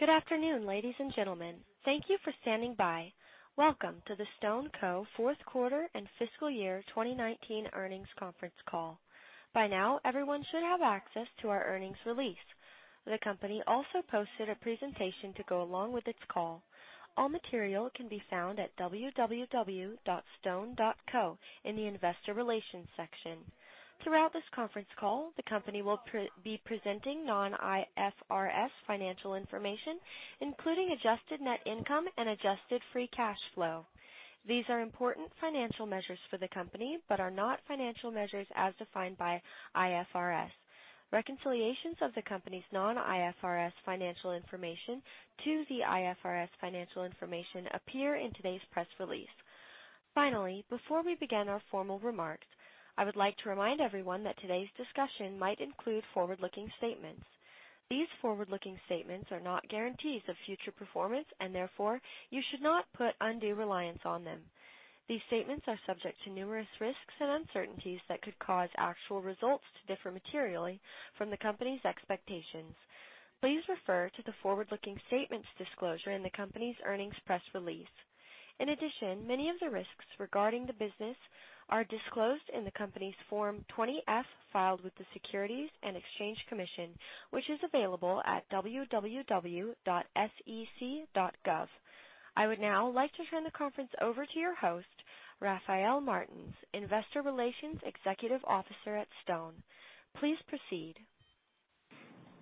Good afternoon, ladies and gentlemen. Thank you for standing by. Welcome to the StoneCo fourth quarter and fiscal year 2019 earnings conference call. By now, everyone should have access to our earnings release. The company also posted a presentation to go along with its call. All material can be found at www.stone.co in the investor relations section. Throughout this conference call, the company will be presenting non-IFRS financial information, including adjusted net income and adjusted free cash flow. These are important financial measures for the company, but are not financial measures as defined by IFRS. Reconciliations of the company's non-IFRS financial information to the IFRS financial information appear in today's press release. Finally, before we begin our formal remarks, I would like to remind everyone that today's discussion might include forward-looking statements. These forward-looking statements are not guarantees of future performance, and therefore, you should not put undue reliance on them. These statements are subject to numerous risks and uncertainties that could cause actual results to differ materially from the company's expectations. Please refer to the forward-looking statements disclosure in the company's earnings press release. In addition, many of the risks regarding the business are disclosed in the company's Form 20-F filed with the Securities and Exchange Commission, which is available at www.sec.gov. I would now like to turn the conference over to your host, Rafael Martins, Investor Relations Executive Officer at StoneCo. Please proceed.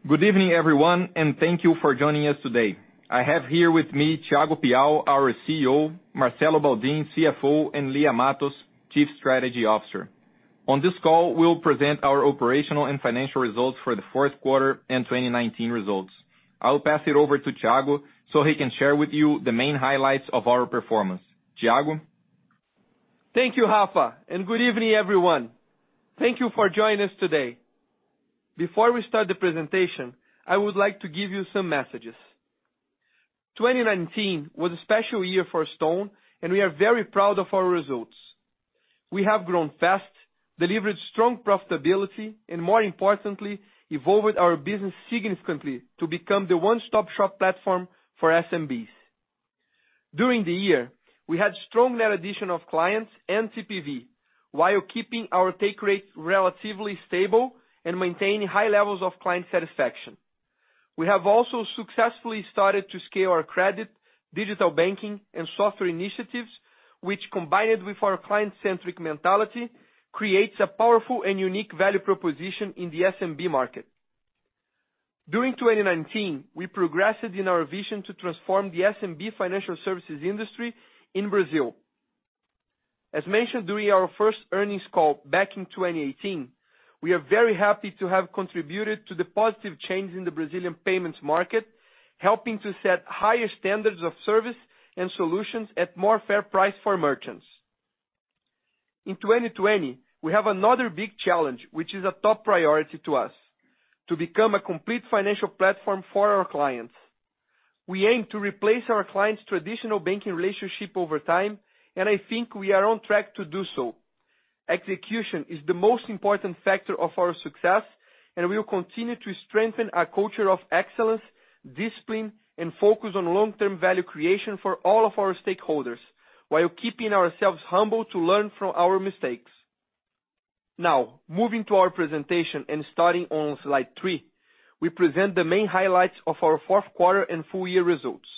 Good evening, everyone, and thank you for joining us today. I have here with me Thiago Piau, our CEO, Marcelo Baldin, CFO, and Lia Matos, Chief Strategy Officer. On this call, we'll present our operational and financial results for the fourth quarter and 2019 results. I'll pass it over to Thiago so he can share with you the main highlights of our performance. Thiago? Thank you, Rafa, and good evening, everyone. Thank you for joining us today. Before we start the presentation, I would like to give you some messages. 2019 was a special year for StoneCo. We are very proud of our results. We have grown fast, delivered strong profitability, and more importantly, evolved our business significantly to become the one-stop-shop platform for SMBs. During the year, we had strong net addition of clients and TPV while keeping our take rate relatively stable and maintaining high levels of client satisfaction. We have also successfully started to scale our credit, digital banking, and software initiatives, which combined with our client-centric mentality, creates a powerful and unique value proposition in the SMB market. During 2019, we progressed in our vision to transform the SMB financial services industry in Brazil. As mentioned during our first earnings call back in 2018, we are very happy to have contributed to the positive change in the Brazilian payments market, helping to set higher standards of service and solutions at more fair price for merchants. In 2020, we have another big challenge, which is a top priority to us. To become a complete financial platform for our clients. We aim to replace our clients' traditional banking relationship over time, and I think we are on track to do so. Execution is the most important factor of our success, and we will continue to strengthen our culture of excellence, discipline, and focus on long-term value creation for all of our stakeholders while keeping ourselves humble to learn from our mistakes. Moving to our presentation and starting on slide three, we present the main highlights of our fourth quarter and full year results.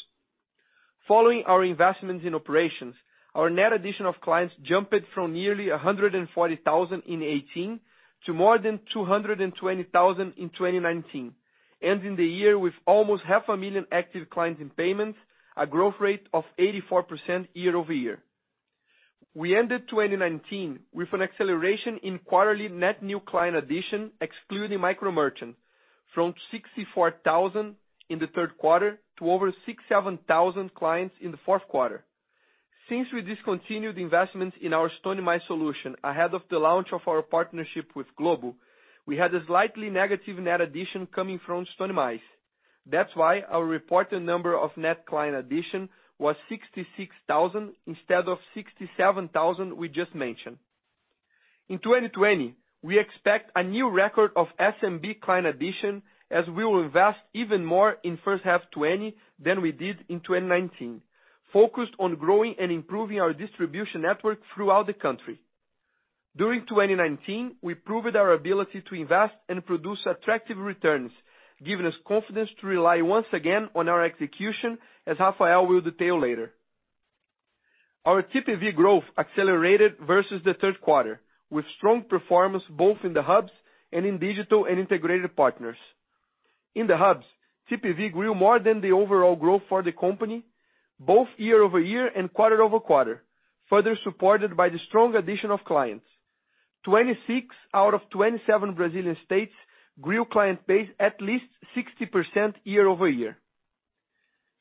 Following our investments in operations, our net addition of clients jumped from nearly 140,000 in 2018 to more than 220,000 in 2019, ending the year with almost half a million active clients in payments, a growth rate of 84% year-over-year. We ended 2019 with an acceleration in quarterly net new client addition, excluding micro merchant, from 64,000 in the third quarter to over 67,000 clients in the fourth quarter. Since we discontinued investment in our Stone Mais Solution ahead of the launch of our partnership with Globo, we had a slightly negative net addition coming from Stone Mais. That's why our reported number of net client addition was 66,000 instead of 67,000 we just mentioned. In 2020, we expect a new record of SMB client addition as we will invest even more in first half 2020 than we did in 2019, focused on growing and improving our distribution network throughout the country. During 2019, we proved our ability to invest and produce attractive returns, giving us confidence to rely once again on our execution, as Rafael will detail later. Our TPV growth accelerated versus the third quarter, with strong performance both in the hubs and in digital and integrated partners. In the hubs, TPV grew more than the overall growth for the company, both year-over-year and quarter-over-quarter, further supported by the strong addition of clients. 26 out of 27 Brazilian states grew client base at least 60% year-over-year.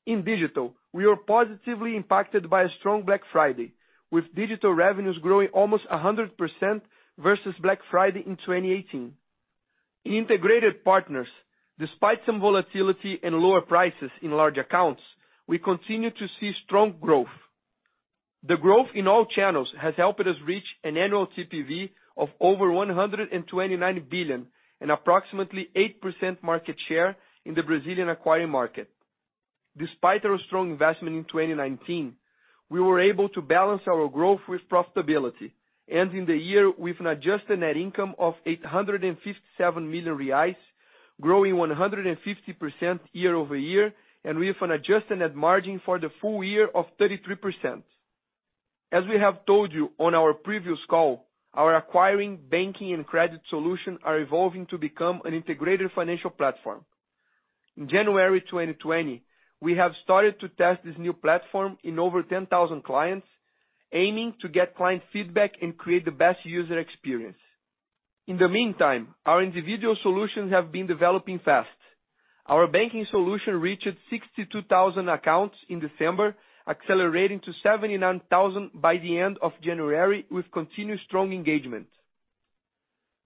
In digital, we were positively impacted by a strong Black Friday, with digital revenues growing almost 100% versus Black Friday in 2018. In integrated partners, despite some volatility and lower prices in large accounts, we continued to see strong growth. The growth in all channels has helped us reach an annual TPV of over 129 billion and approximately 8% market share in the Brazilian acquiring market. Despite our strong investment in 2019, we were able to balance our growth with profitability, ending the year with an adjusted net income of 857 million reais, growing 150% year-over-year, and with an adjusted net margin for the full year of 33%. As we have told you on our previous call, our acquiring, banking, and credit solution are evolving to become an integrated financial platform. In January 2020, we have started to test this new platform in over 10,000 clients, aiming to get client feedback and create the best user experience. In the meantime, our individual solutions have been developing fast. Our banking solution reached 62,000 accounts in December, accelerating to 79,000 by the end of January with continued strong engagement.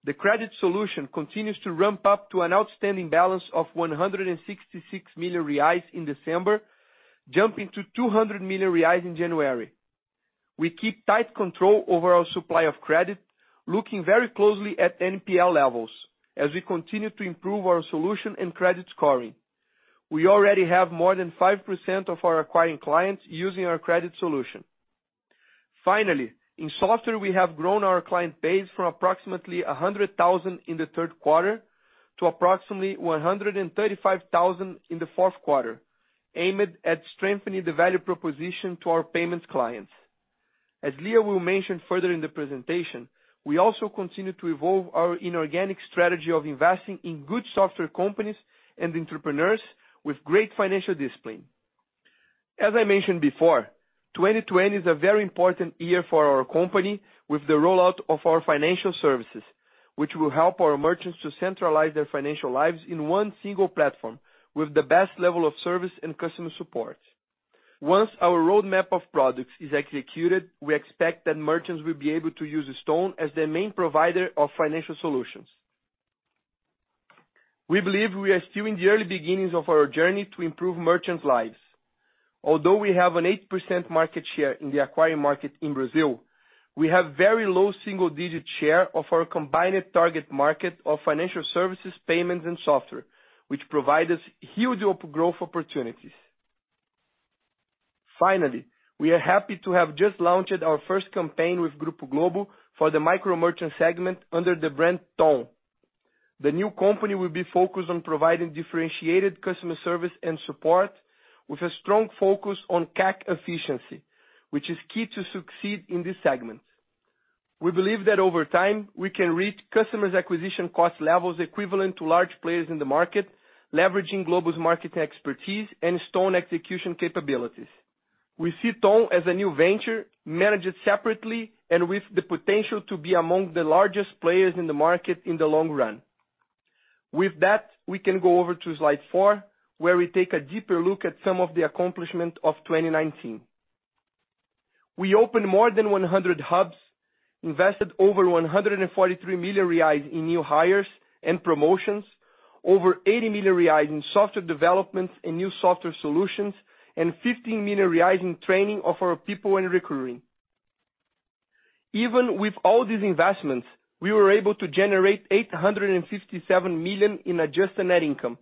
The credit solution continues to ramp up to an outstanding balance of 166 million reais in December, jumping to 200 million reais in January. We keep tight control over our supply of credit, looking very closely at NPL levels as we continue to improve our solution and credit scoring. We already have more than 5% of our acquiring clients using our credit solution. Finally, in software, we have grown our client base from approximately 100,000 in the third quarter to approximately 135,000 in the fourth quarter, aimed at strengthening the value proposition to our payments clients. As Lia will mention further in the presentation, we also continue to evolve our inorganic strategy of investing in good software companies and entrepreneurs with great financial discipline. As I mentioned before, 2020 is a very important year for our company with the rollout of our financial services, which will help our merchants to centralize their financial lives in one single platform with the best level of service and customer support. Once our roadmap of products is executed, we expect that merchants will be able to use StoneCo as their main provider of financial solutions. We believe we are still in the early beginnings of our journey to improve merchants' lives. Although we have an 8% market share in the acquiring market in Brazil, we have very low single-digit share of our combined target market of financial services, payments, and software, which provide us huge growth opportunities. We are happy to have just launched our first campaign with Grupo Globo for the micro merchant segment under the brand Ton. The new company will be focused on providing differentiated customer service and support with a strong focus on CAC efficiency, which is key to succeed in this segment. We believe that over time, we can reach customers' acquisition cost levels equivalent to large players in the market, leveraging Globo's market expertise and StoneCo execution capabilities. We see Ton as a new venture, managed separately and with the potential to be among the largest players in the market in the long run. With that, we can go over to slide four, where we take a deeper look at some of the accomplishments of 2019. We opened more than 100 hubs, invested over 143 million reais in new hires and promotions, over 80 million reais in software development and new software solutions, and 15 million reais in training of our people and recruiting. Even with all these investments, we were able to generate 857 million in adjusted net income,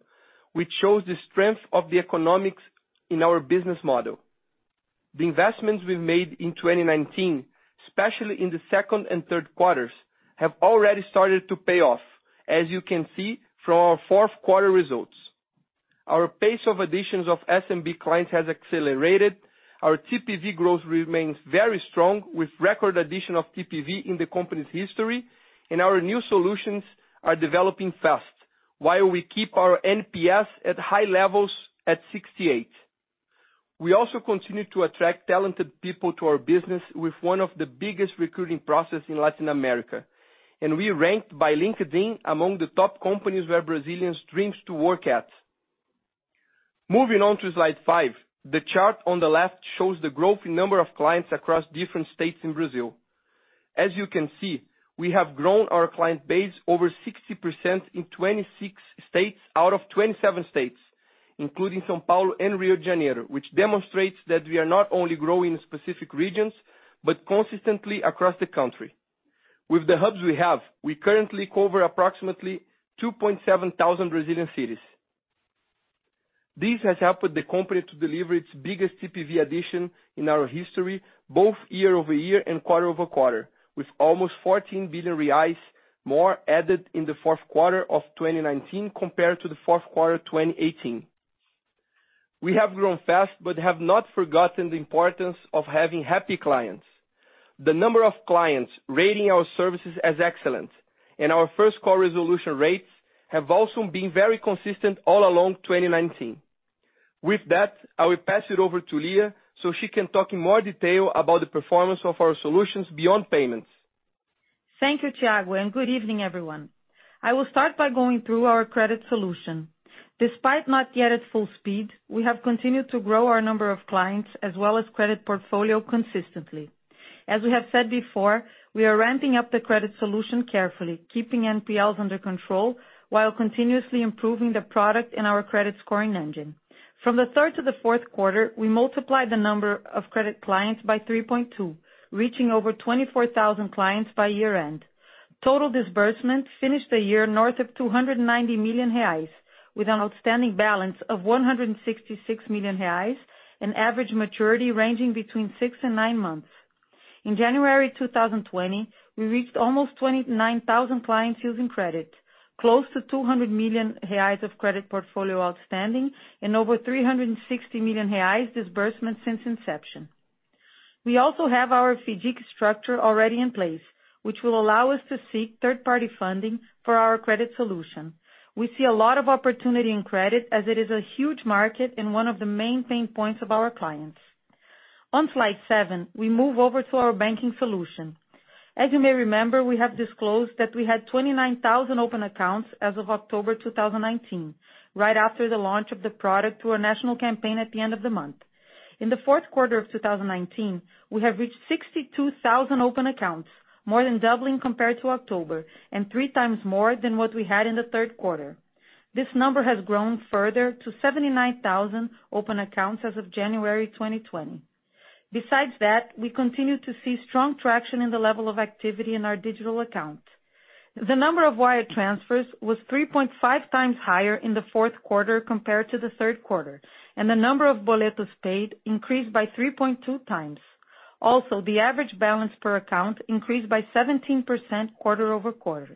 which shows the strength of the economics in our business model. The investments we've made in 2019, especially in the second and third quarters, have already started to pay off, as you can see from our fourth quarter results. Our pace of additions of SMB clients has accelerated. Our TPV growth remains very strong, with record addition of TPV in the company's history. Our new solutions are developing fast while we keep our NPS at high levels at 68. We also continue to attract talented people to our business with one of the biggest recruiting process in Latin America. We ranked by LinkedIn among the top companies where Brazilians dream to work at. Moving on to slide five. The chart on the left shows the growth in number of clients across different states in Brazil. As you can see, we have grown our client base over 60% in 26 states out of 27 states, including São Paulo and Rio de Janeiro, which demonstrates that we are not only growing in specific regions, but consistently across the country. With the hubs we have, we currently cover approximately 2,700 Brazilian cities. This has helped the company to deliver its biggest TPV addition in our history, both year-over-year and quarter-over-quarter, with almost 14 billion reais more added in the fourth quarter of 2019 compared to the fourth quarter 2018. We have grown fast but have not forgotten the importance of having happy clients. The number of clients rating our services as excellent and our first call resolution rates have also been very consistent all along 2019. With that, I will pass it over to Lia so she can talk in more detail about the performance of our solutions beyond payments. Thank you, Thiago, and good evening, everyone. I will start by going through our credit solution. Despite not yet at full speed, we have continued to grow our number of clients as well as credit portfolio consistently. As we have said before, we are ramping up the credit solution carefully, keeping NPLs under control while continuously improving the product in our credit scoring engine. From the third to the fourth quarter, we multiplied the number of credit clients by 3.2, reaching over 24,000 clients by year-end. Total disbursement finished the year north of 290 million reais, with an outstanding balance of 166 million reais, an average maturity ranging between six and nine months. In January 2020, we reached almost 29,000 clients using credit, close to 200 million reais of credit portfolio outstanding, and over 360 million reais disbursement since inception. We also have our FIDC structure already in place, which will allow us to seek third-party funding for our credit solution. We see a lot of opportunity in credit, as it is a huge market and one of the main pain points of our clients. On slide seven, we move over to our banking solution. As you may remember, we have disclosed that we had 29,000 open accounts as of October 2019, right after the launch of the product through a national campaign at the end of the month. In the fourth quarter of 2019, we have reached 62,000 open accounts, more than doubling compared to October and three times more than what we had in the third quarter. This number has grown further to 79,000 open accounts as of January 2020. Besides that, we continue to see strong traction in the level of activity in our digital account. The number of wire transfers was 3.5x higher in the fourth quarter compared to the third quarter. The number of boletos paid increased by 3.2x. The average balance per account increased by 17% quarter-over-quarter.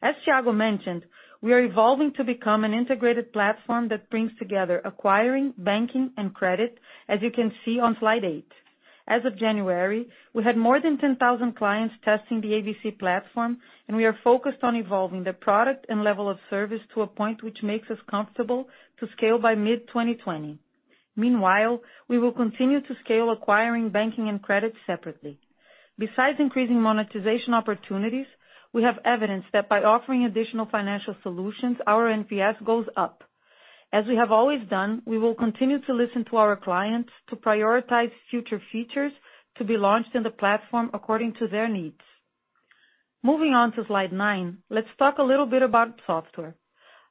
As Thiago mentioned, we are evolving to become an integrated platform that brings together acquiring, banking, and credit, as you can see on slide eight. As of January, we had more than 10,000 clients testing the ABC platform. We are focused on evolving the product and level of service to a point which makes us comfortable to scale by mid-2020. We will continue to scale acquiring, banking, and credit separately. Besides increasing monetization opportunities, we have evidence that by offering additional financial solutions, our NPS goes up. As we have always done, we will continue to listen to our clients to prioritize future features to be launched in the platform according to their needs. Moving on to slide nine, let's talk a little bit about software.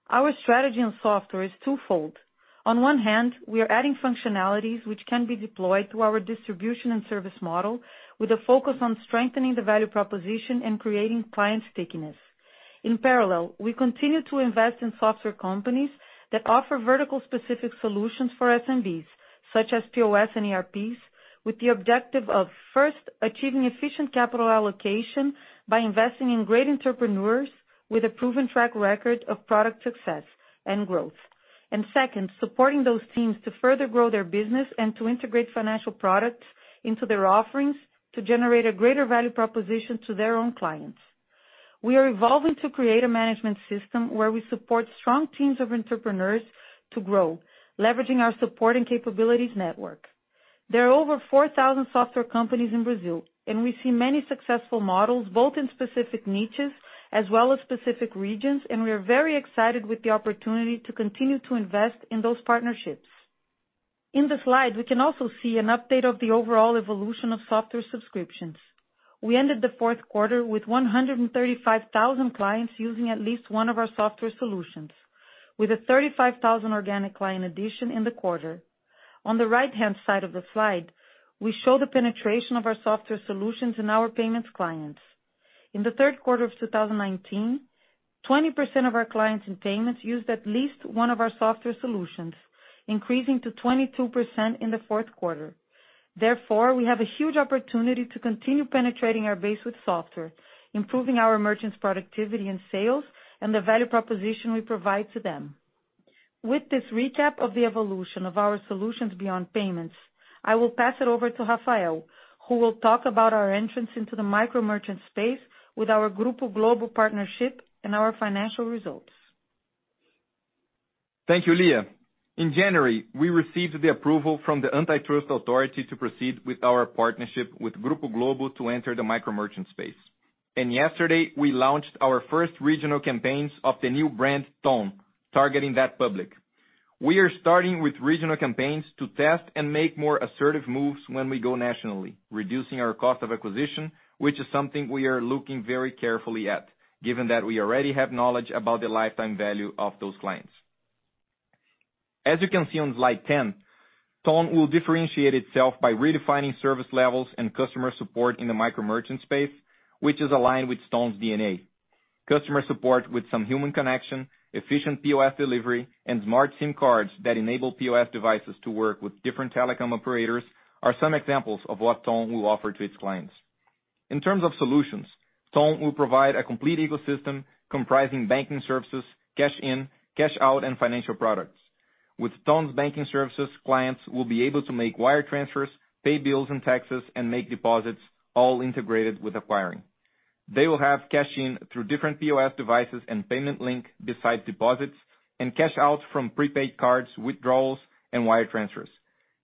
Our strategy on software is twofold. On one hand, we are adding functionalities which can be deployed through our distribution and service model with a focus on strengthening the value proposition and creating client stickiness. In parallel, we continue to invest in software companies that offer vertical specific solutions for SMBs, such as POS and ERPs, with the objective of, first, achieving efficient capital allocation by investing in great entrepreneurs with a proven track record of product success and growth. Second, supporting those teams to further grow their business and to integrate financial products into their offerings to generate a greater value proposition to their own clients. We are evolving to create a management system where we support strong teams of entrepreneurs to grow, leveraging our support and capabilities network. There are over 4,000 software companies in Brazil. We see many successful models, both in specific niches as well as specific regions. We are very excited with the opportunity to continue to invest in those partnerships. In the slide, we can also see an update of the overall evolution of software subscriptions. We ended the fourth quarter with 135,000 clients using at least one of our software solutions with a 35,000 organic client addition in the quarter. On the right-hand side of the slide, we show the penetration of our software solutions in our payments clients. In the third quarter of 2019, 20% of our clients in payments used at least one of our software solutions, increasing to 22% in the fourth quarter. Therefore, we have a huge opportunity to continue penetrating our base with software, improving our merchants' productivity and sales, and the value proposition we provide to them. With this recap of the evolution of our solutions beyond payments, I will pass it over to Rafael, who will talk about our entrance into the micro merchant space with our Grupo Globo partnership and our financial results. Thank you, Lia. In January, we received the approval from the antitrust authority to proceed with our partnership with Grupo Globo to enter the micro merchant space. Yesterday, we launched our first regional campaigns of the new brand, Ton, targeting that public. We are starting with regional campaigns to test and make more assertive moves when we go nationally, reducing our cost of acquisition, which is something we are looking very carefully at, given that we already have knowledge about the lifetime value of those clients. As you can see on slide 10, Ton will differentiate itself by redefining service levels and customer support in the micro merchant space, which is aligned with Ton's DNA. Customer support with some human connection, efficient POS delivery, and smart SIM cards that enable POS devices to work with different telecom operators are some examples of what Ton will offer to its clients. In terms of solutions, Ton will provide a complete ecosystem comprising banking services, cash in, cash out, and financial products. With Ton's banking services, clients will be able to make wire transfers, pay bills and taxes, and make deposits all integrated with acquiring. They will have cash in through different POS devices and payment link besides deposits and cash out from prepaid cards, withdrawals, and wire transfers.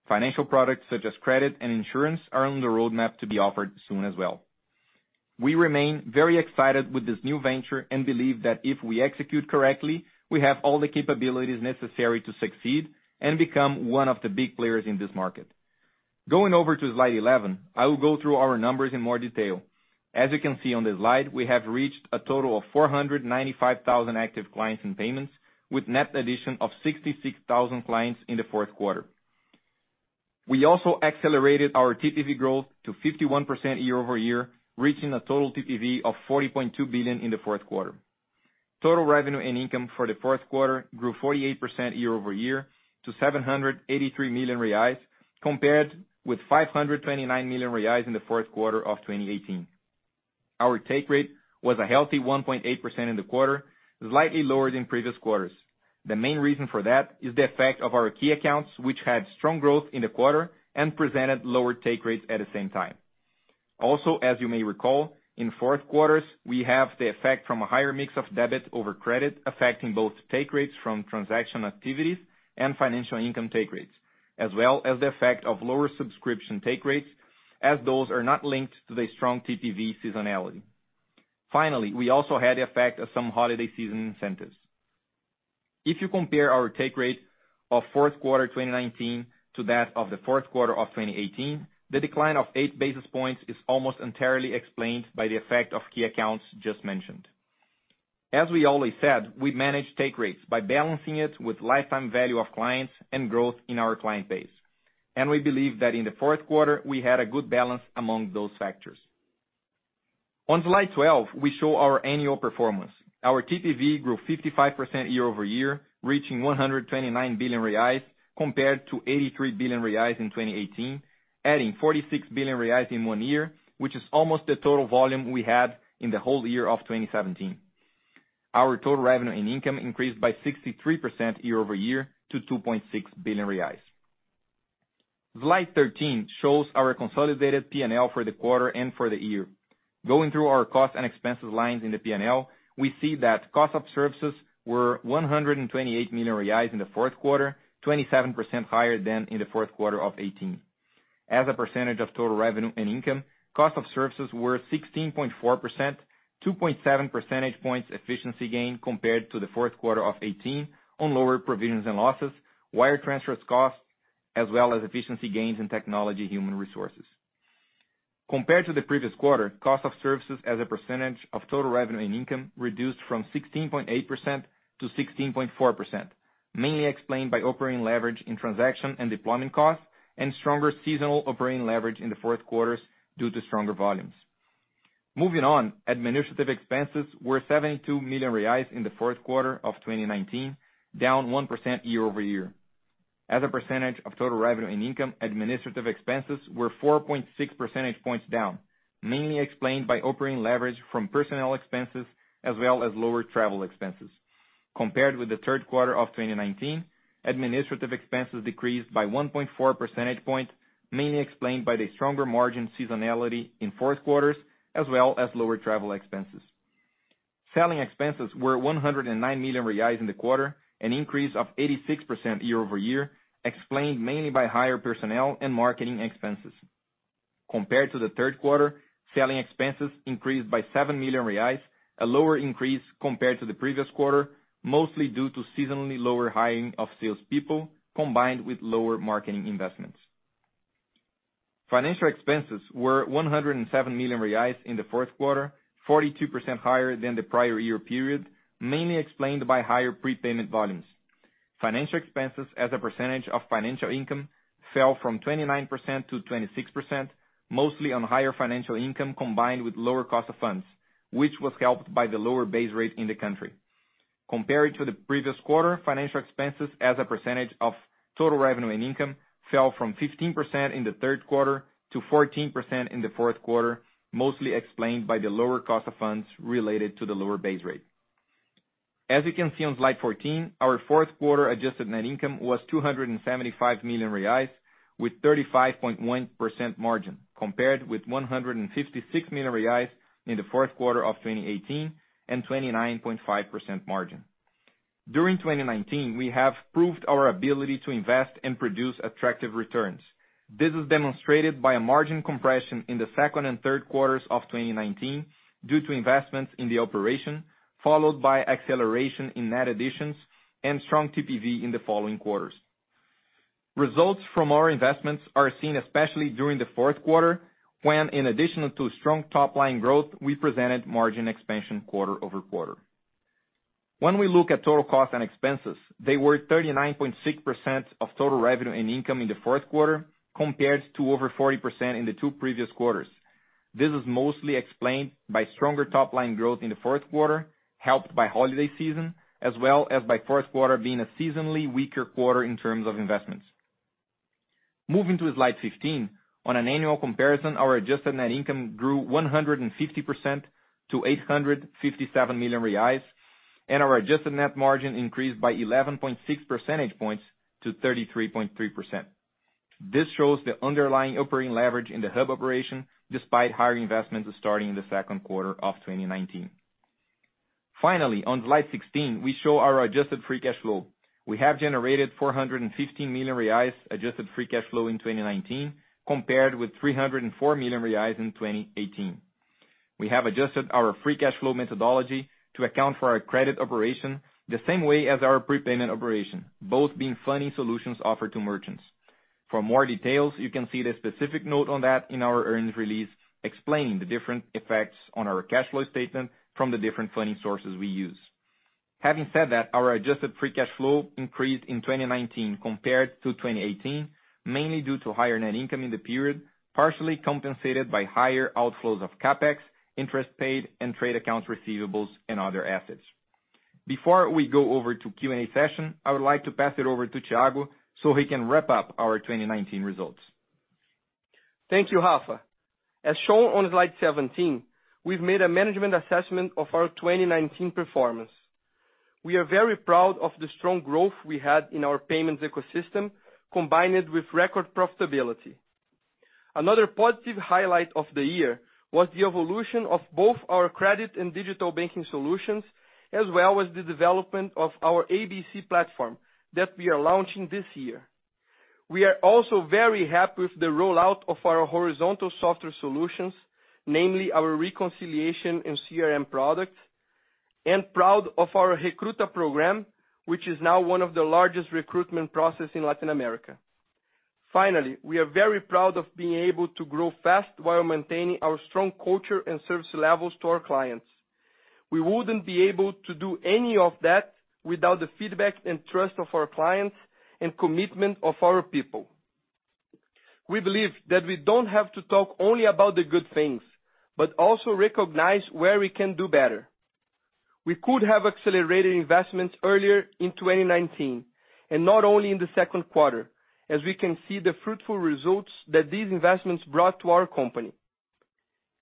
Financial products such as credit and insurance are on the roadmap to be offered soon as well. We remain very excited with this new venture and believe that if we execute correctly, we have all the capabilities necessary to succeed and become one of the big players in this market. Going over to slide 11, I will go through our numbers in more detail. As you can see on the slide, we have reached a total of 495,000 active clients in payments, with net addition of 66,000 clients in the fourth quarter. We also accelerated our TPV growth to 51% year-over-year, reaching a total TPV of BRL 40.2 billion in the fourth quarter. Total revenue and income for the fourth quarter grew 48% year-over-year to 783 million reais, compared with 529 million reais in the fourth quarter of 2018. Our take rate was a healthy 1.8% in the quarter, slightly lower than previous quarters. The main reason for that is the effect of our key accounts, which had strong growth in the quarter and presented lower take rates at the same time. Also, as you may recall, in fourth quarters, we have the effect from a higher mix of debit over credit, affecting both take rates from transaction activities and financial income take rates, as well as the effect of lower subscription take rates, as those are not linked to the strong TPV seasonality. Finally, we also had the effect of some holiday season incentives. If you compare our take rate of fourth quarter 2019 to that of the fourth quarter of 2018, the decline of eight basis points is almost entirely explained by the effect of key accounts just mentioned. As we always said, we manage take rates by balancing it with lifetime value of clients and growth in our client base. We believe that in the fourth quarter, we had a good balance among those factors. On slide 12, we show our annual performance. Our TPV grew 55% year-over-year, reaching 129 billion reais compared to 83 billion reais in 2018, adding 46 billion reais in one year, which is almost the total volume we had in the whole year of 2017. Our total revenue and income increased by 63% year-over-year to 2.6 billion reais. Slide 13 shows our consolidated P&L for the quarter and for the year. Going through our cost and expenses lines in the P&L, we see that cost of services were 128 million reais in the fourth quarter, 27% higher than in the fourth quarter of 2018. As a percentage of total revenue and income, cost of services were 16.4%, 2.7 percentage points efficiency gain compared to the fourth quarter of 2018 on lower provisions and losses, wire transfers cost, as well as efficiency gains in technology human resources. Compared to the previous quarter, cost of services as a percentage of total revenue and income reduced from 16.8% to 16.4%, mainly explained by operating leverage in transaction and deployment costs and stronger seasonal operating leverage in the fourth quarters due to stronger volumes. Moving on, administrative expenses were 72 million reais in the fourth quarter of 2019, down 1% year-over-year. As a percentage of total revenue and income, administrative expenses were 4.6 percentage points down, mainly explained by operating leverage from personnel expenses as well as lower travel expenses. Compared with the third quarter of 2019, administrative expenses decreased by 1.4 percentage points, mainly explained by the stronger margin seasonality in fourth quarters as well as lower travel expenses. Selling expenses were 109 million reais in the quarter, an increase of 86% year-over-year, explained mainly by higher personnel and marketing expenses. Compared to the third quarter, selling expenses increased by 7 million reais, a lower increase compared to the previous quarter, mostly due to seasonally lower hiring of salespeople combined with lower marketing investments. Financial expenses were 107 million reais in the fourth quarter, 42% higher than the prior year period, mainly explained by higher prepayment volumes. Financial expenses as a percentage of financial income fell from 29% to 26%, mostly on higher financial income combined with lower cost of funds, which was helped by the lower base rate in the country. Compared to the previous quarter, financial expenses as a percentage of total revenue and income fell from 15% in the third quarter to 14% in the fourth quarter, mostly explained by the lower cost of funds related to the lower base rate. As you can see on slide 14, our fourth quarter adjusted net income was 275 million reais with 35.1% margin, compared with 156 million reais in the fourth quarter of 2018 and 29.5% margin. During 2019, we have proved our ability to invest and produce attractive returns. This is demonstrated by a margin compression in the second and third quarters of 2019 due to investments in the operation, followed by acceleration in net additions and strong TPV in the following quarters. Results from our investments are seen especially during the fourth quarter when in addition to strong top-line growth, we presented margin expansion quarter-over-quarter. We look at total costs and expenses, they were 39.6% of total revenue and income in the fourth quarter compared to over 40% in the two previous quarters. This is mostly explained by stronger top-line growth in the fourth quarter, helped by holiday season, as well as by fourth quarter being a seasonally weaker quarter in terms of investments. Moving to slide 15, on an annual comparison, our adjusted net income grew 150% to 857 million reais, and our adjusted net margin increased by 11.6 percentage points to 33.3%. This shows the underlying operating leverage in the hub operation despite higher investments starting in the second quarter of 2019. Finally, on slide 16, we show our adjusted free cash flow. We have generated 415 million reais adjusted free cash flow in 2019, compared with 304 million reais in 2018. We have adjusted our free cash flow methodology to account for our credit operation the same way as our prepayment operation, both being funding solutions offered to merchants. For more details, you can see the specific note on that in our earnings release, explaining the different effects on our cash flow statement from the different funding sources we use. Having said that, our adjusted free cash flow increased in 2019 compared to 2018, mainly due to higher net income in the period, partially compensated by higher outflows of CapEx, interest paid, and trade accounts receivables and other assets. Before we go over to Q&A session, I would like to pass it over to Thiago so he can wrap up our 2019 results. Thank you, Rafa. As shown on slide 17, we've made a management assessment of our 2019 performance. We are very proud of the strong growth we had in our payments ecosystem, combined with record profitability. Another positive highlight of the year was the evolution of both our credit and digital banking solutions, as well as the development of our ABC platform that we are launching this year. We are also very happy with the rollout of our horizontal software solutions, namely our reconciliation and CRM product, and proud of our Recruta program, which is now one of the largest recruitment process in Latin America. Finally, we are very proud of being able to grow fast while maintaining our strong culture and service levels to our clients. We wouldn't be able to do any of that without the feedback and trust of our clients and commitment of our people. We believe that we don't have to talk only about the good things, but also recognize where we can do better. We could have accelerated investments earlier in 2019, and not only in the second quarter, as we can see the fruitful results that these investments brought to our company.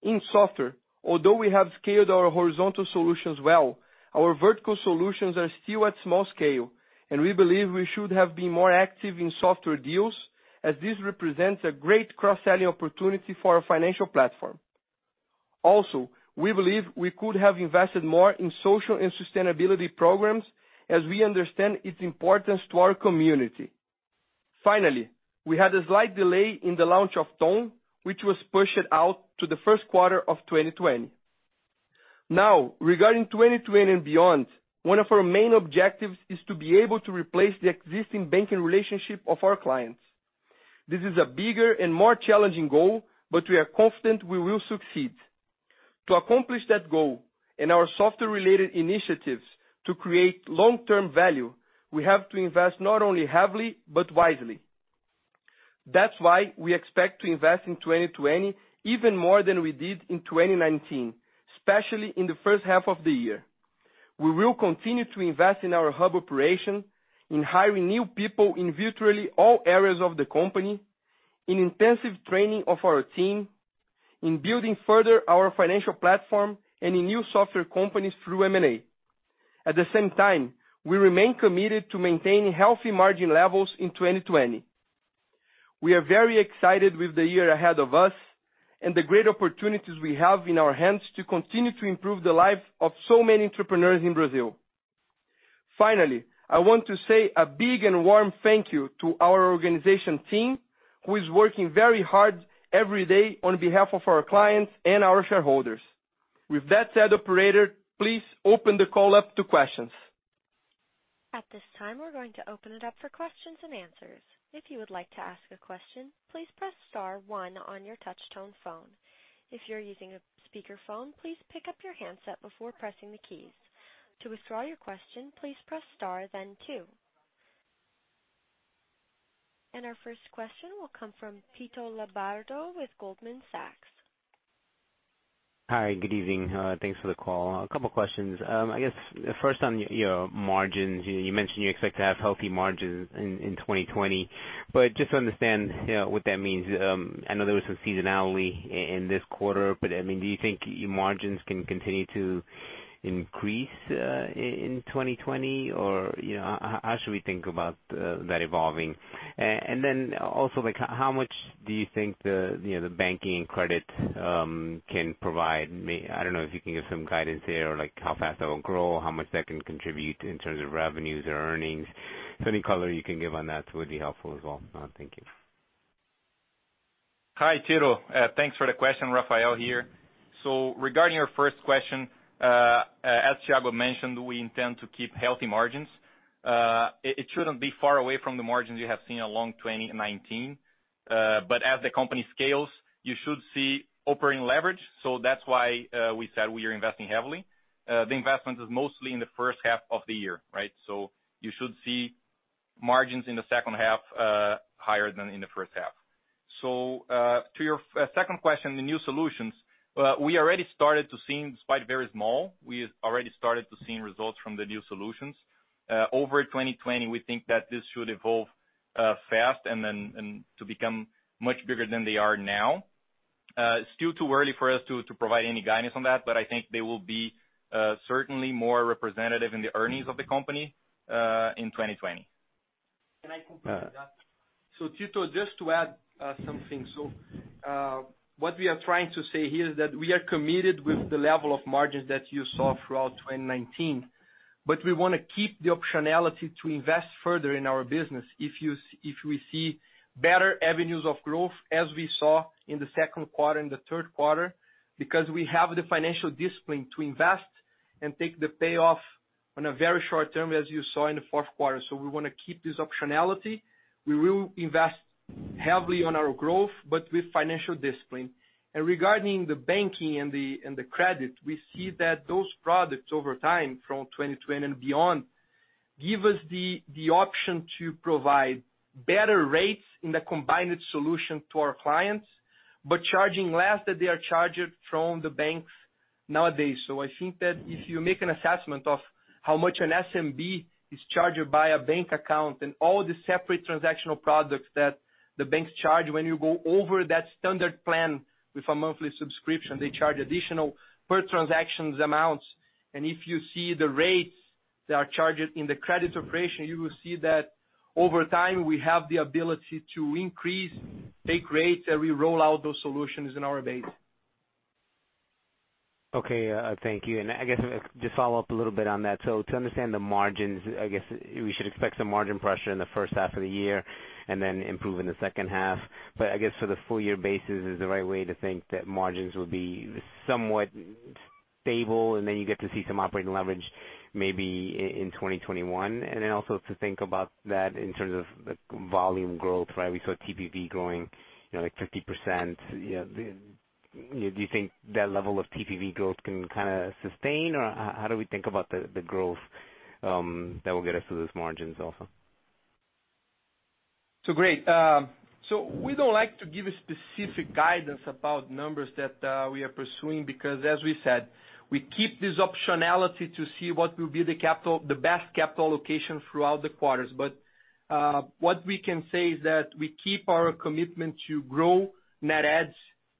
In software, although we have scaled our horizontal solutions well, our vertical solutions are still at small scale, and we believe we should have been more active in software deals, as this represents a great cross-selling opportunity for our financial platform. We believe we could have invested more in social and sustainability programs as we understand its importance to our community. We had a slight delay in the launch of Ton, which was pushed out to the first quarter of 2020. Now, regarding 2020 and beyond, one of our main objectives is to be able to replace the existing banking relationship of our clients. This is a bigger and more challenging goal, but we are confident we will succeed. To accomplish that goal and our software-related initiatives to create long-term value, we have to invest not only heavily, but wisely. That's why we expect to invest in 2020 even more than we did in 2019, especially in the first half of the year. We will continue to invest in our hub operation, in hiring new people in virtually all areas of the company, in intensive training of our team, in building further our financial platform, and in new software companies through M&A. At the same time, we remain committed to maintaining healthy margin levels in 2020. We are very excited with the year ahead of us and the great opportunities we have in our hands to continue to improve the lives of so many entrepreneurs in Brazil. Finally, I want to say a big and warm thank you to our organization team, who is working very hard every day on behalf of our clients and our shareholders. With that said, operator, please open the call up to questions. At this time, we're going to open it up for questions and answers. If you would like to ask a question, please press star one on your touch tone phone. If you're using a speakerphone, please pick up your handset before pressing the keys. To withdraw your question, please press star, then two. Our first question will come from Tito Labarta with Goldman Sachs. Hi, good evening. Thanks for the call. A couple questions. I guess first on your margins. You mentioned you expect to have healthy margins in 2020, just to understand what that means. I know there was some seasonality in this quarter, do you think your margins can continue to increase in 2020? How should we think about that evolving? Also, how much do you think the banking credit can provide? I don't know if you can give some guidance there, like how fast that will grow, how much that can contribute in terms of revenues or earnings. Any color you can give on that would be helpful as well. Thank you. Hi, Tito. Thanks for the question. Rafael here. Regarding your first question, as Thiago mentioned, we intend to keep healthy margins. It shouldn't be far away from the margins you have seen along 2019. As the company scales, you should see operating leverage. That's why we said we are investing heavily. The investment is mostly in the first half of the year, right? You should see margins in the second half higher than in the first half. To your second question, the new solutions, we already started to see, despite very small, we already started to see results from the new solutions. Over 2020, we think that this should evolve fast and to become much bigger than they are now. Still too early for us to provide any guidance on that, but I think they will be certainly more representative in the earnings of the company in 2020. Can I complete that? Tito, just to add something. What we are trying to say here is that we are committed with the level of margins that you saw throughout 2019, but we want to keep the optionality to invest further in our business if we see better avenues of growth, as we saw in the second quarter and the third quarter, because we have the financial discipline to invest and take the payoff on a very short term, as you saw in the fourth quarter. We want to keep this optionality. We will invest heavily on our growth, but with financial discipline. Regarding the banking and the credit, we see that those products over time, from 2020 and beyond, give us the option to provide better rates in the combined solution to our clients, but charging less that they are charged from the banks nowadays. I think that if you make an assessment of how much an SMB is charged by a bank account and all the separate transactional products that the banks charge when you go over that standard plan with a monthly subscription, they charge additional per transactions amounts. If you see the rates that are charged in the credit operation, you will see that over time, we have the ability to increase take rates as we roll out those solutions in our base. Okay, thank you. I guess, just follow up a little bit on that. To understand the margins, I guess we should expect some margin pressure in the first half of the year and then improve in the second half. I guess for the full year basis is the right way to think that margins will be somewhat stable, and then you get to see some operating leverage maybe in 2021. Also to think about that in terms of volume growth, right? We saw TPV growing like 50%. Do you think that level of TPV growth can kind of sustain, or how do we think about the growth that will get us to those margins also? Great. We don't like to give a specific guidance about numbers that we are pursuing because as we said, we keep this optionality to see what will be the best capital allocation throughout the quarters. What we can say is that we keep our commitment to grow net adds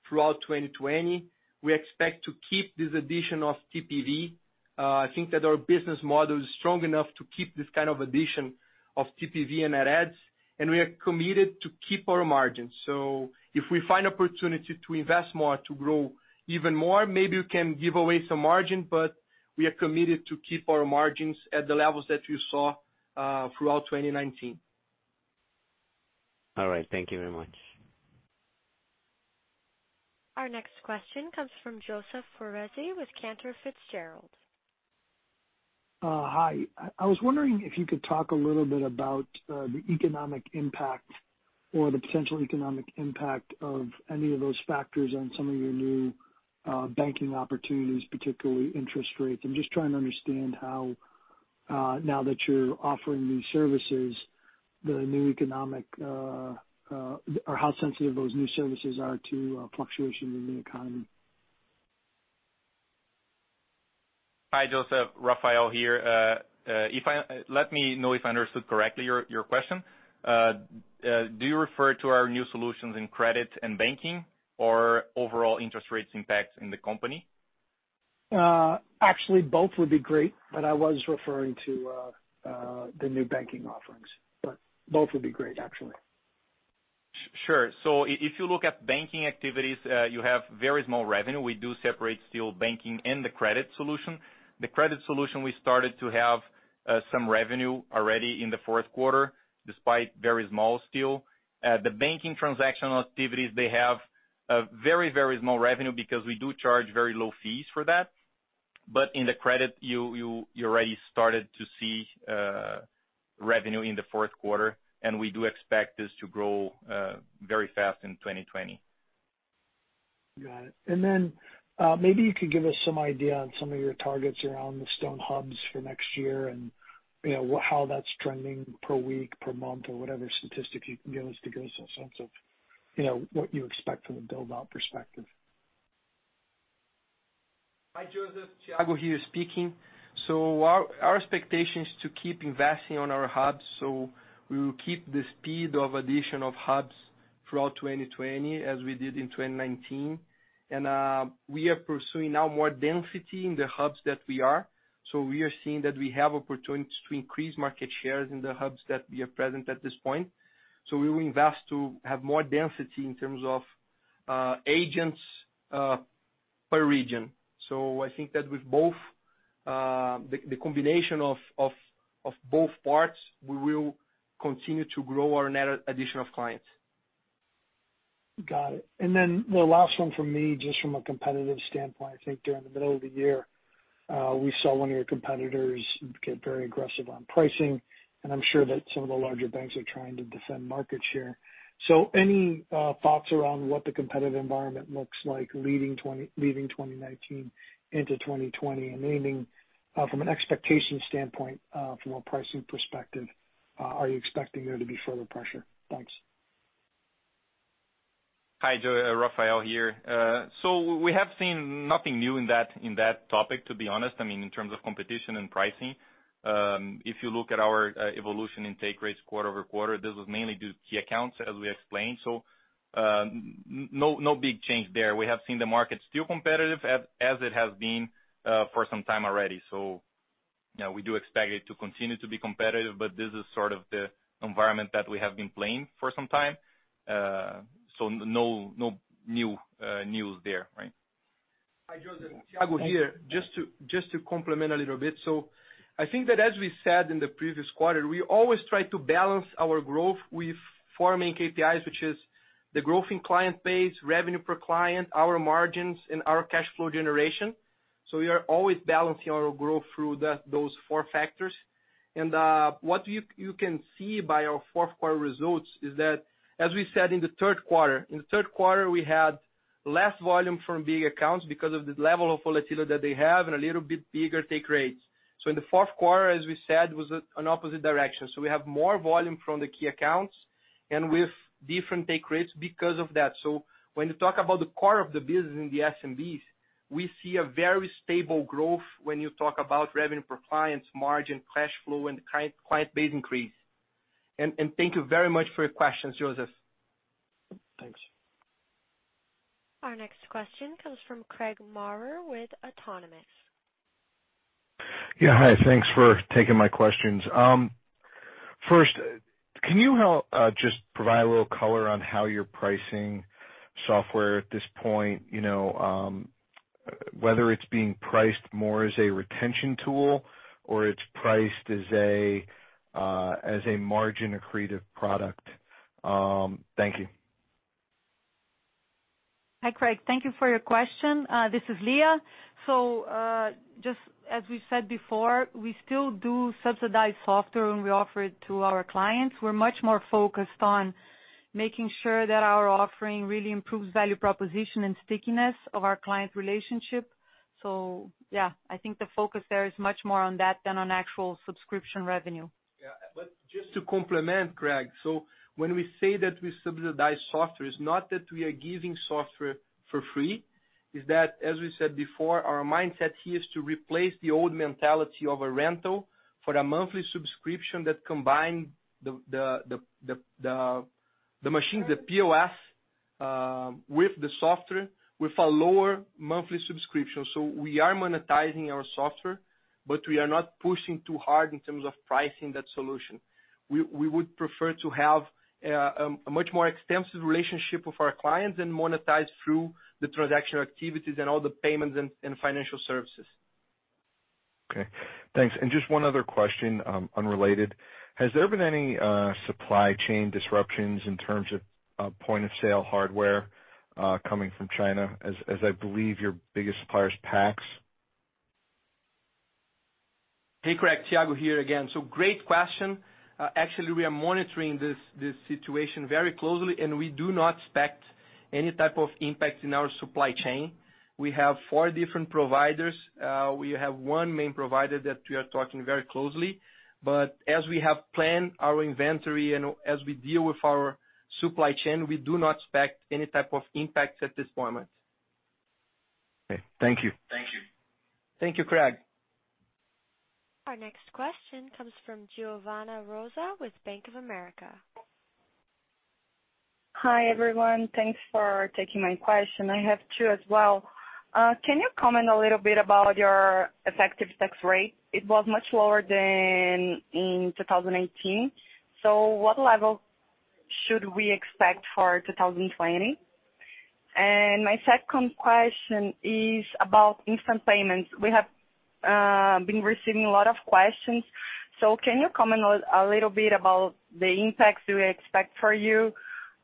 throughout 2020. We expect to keep this addition of TPV. I think that our business model is strong enough to keep this kind of addition of TPV and net adds, and we are committed to keep our margins. If we find opportunity to invest more, to grow even more, maybe we can give away some margin, but we are committed to keep our margins at the levels that you saw throughout 2019. All right. Thank you very much. Our next question comes from Joseph Foresi with Cantor Fitzgerald. Hi. I was wondering if you could talk a little bit about the economic impact or the potential economic impact of any of those factors on some of your new banking opportunities, particularly interest rates. I'm just trying to understand how, now that you're offering new services, how sensitive those new services are to fluctuations in the economy. Hi, Joseph. Rafael here. Let me know if I understood correctly your question. Do you refer to our new solutions in credit and banking or overall interest rates impacts in the company? Actually, both would be great, but I was referring to the new banking offerings. Both would be great, actually. Sure. If you look at banking activities, you have very small revenue. We do separate still banking and the credit solution. The credit solution we started to have some revenue already in the fourth quarter, despite very small still. The banking transactional activities, they have a very, very small revenue because we do charge very low fees for that. In the credit, you already started to see revenue in the fourth quarter, and we do expect this to grow very fast in 2020. Got it. Maybe you could give us some idea on some of your targets around the StoneCo hubs for next year and how that's trending per week, per month, or whatever statistic you can give us to give us a sense of what you expect from a build-out perspective. Hi, Joseph. Thiago here speaking. Our expectation is to keep investing on our hubs. We will keep the speed of addition of hubs throughout 2020 as we did in 2019. We are pursuing now more density in the hubs that we are. We are seeing that we have opportunities to increase market shares in the hubs that we are present at this point. We will invest to have more density in terms of agents per region. I think that with the combination of both parts, we will continue to grow our net addition of clients. Got it. The last one from me, just from a competitive standpoint. I think during the middle of the year, we saw one of your competitors get very aggressive on pricing, and I am sure that some of the larger banks are trying to defend market share. Any thoughts around what the competitive environment looks like leaving 2019 into 2020? Meaning from an expectation standpoint, from a pricing perspective, are you expecting there to be further pressure? Thanks. Hi, Joseph. Rafael here. We have seen nothing new in that topic, to be honest, I mean, in terms of competition and pricing. If you look at our evolution in take rates quarter-over-quarter, this was mainly due to key accounts, as we explained. No big change there. We have seen the market still competitive as it has been for some time already. Now we do expect it to continue to be competitive, this is sort of the environment that we have been playing for some time. No news there. Right? Hi, Joseph. Thiago here. Just to complement a little bit. I think that as we said in the previous quarter, we always try to balance our growth with four main KPIs, which is the growth in client base, revenue per client, our margins, and our cash flow generation. We are always balancing our growth through those four factors. What you can see by our fourth quarter results is that as we said in the third quarter, in the third quarter, we had less volume from big accounts because of the level of volatility that they have and a little bit bigger take rates. In the fourth quarter, as we said, was an opposite direction. We have more volume from the key accounts and with different take rates because of that. When you talk about the core of the business in the SMBs, we see a very stable growth when you talk about revenue per clients, margin, cash flow, and client base increase. Thank you very much for your questions, Joseph. Thanks. Our next question comes from Craig Maurer with Autonomous. Yeah. Hi. Thanks for taking my questions. First, can you help just provide a little color on how you're pricing software at this point, whether it's being priced more as a retention tool or it's priced as a margin-accretive product? Thank you. Hi, Craig. Thank you for your question. This is Lia. Just as we said before, we still do subsidize software when we offer it to our clients. We're much more focused on making sure that our offering really improves value proposition and stickiness of our client relationship. Yeah, I think the focus there is much more on that than on actual subscription revenue. Just to complement, Craig, when we say that we subsidize software, it's not that we are giving software for free. It's that, as we said before, our mindset here is to replace the old mentality of a rental for a monthly subscription that combines the machine, the POS, with the software with a lower monthly subscription. We are monetizing our software, but we are not pushing too hard in terms of pricing that solution. We would prefer to have a much more extensive relationship with our clients and monetize through the transaction activities and all the payments and financial services. Okay. Thanks. Just one other question, unrelated. Has there been any supply chain disruptions in terms of point-of-sale hardware coming from China, as I believe your biggest supplier is PAX? Hey, Craig. Thiago here again. Great question. Actually, we are monitoring this situation very closely, and we do not expect any type of impact in our supply chain. We have four different providers. We have one main provider that we are talking very closely. As we have planned our inventory and as we deal with our supply chain, we do not expect any type of impact at this moment. Okay. Thank you. Thank you, Craig. Our next question comes from Giovanna Rosa with Bank of America. Hi, everyone. Thanks for taking my question. I have two as well. Can you comment a little bit about your effective tax rate? It was much lower than in 2019. What level should we expect for 2020? My second question is about instant payments. We have been receiving a lot of questions. Can you comment a little bit about the impacts we expect for you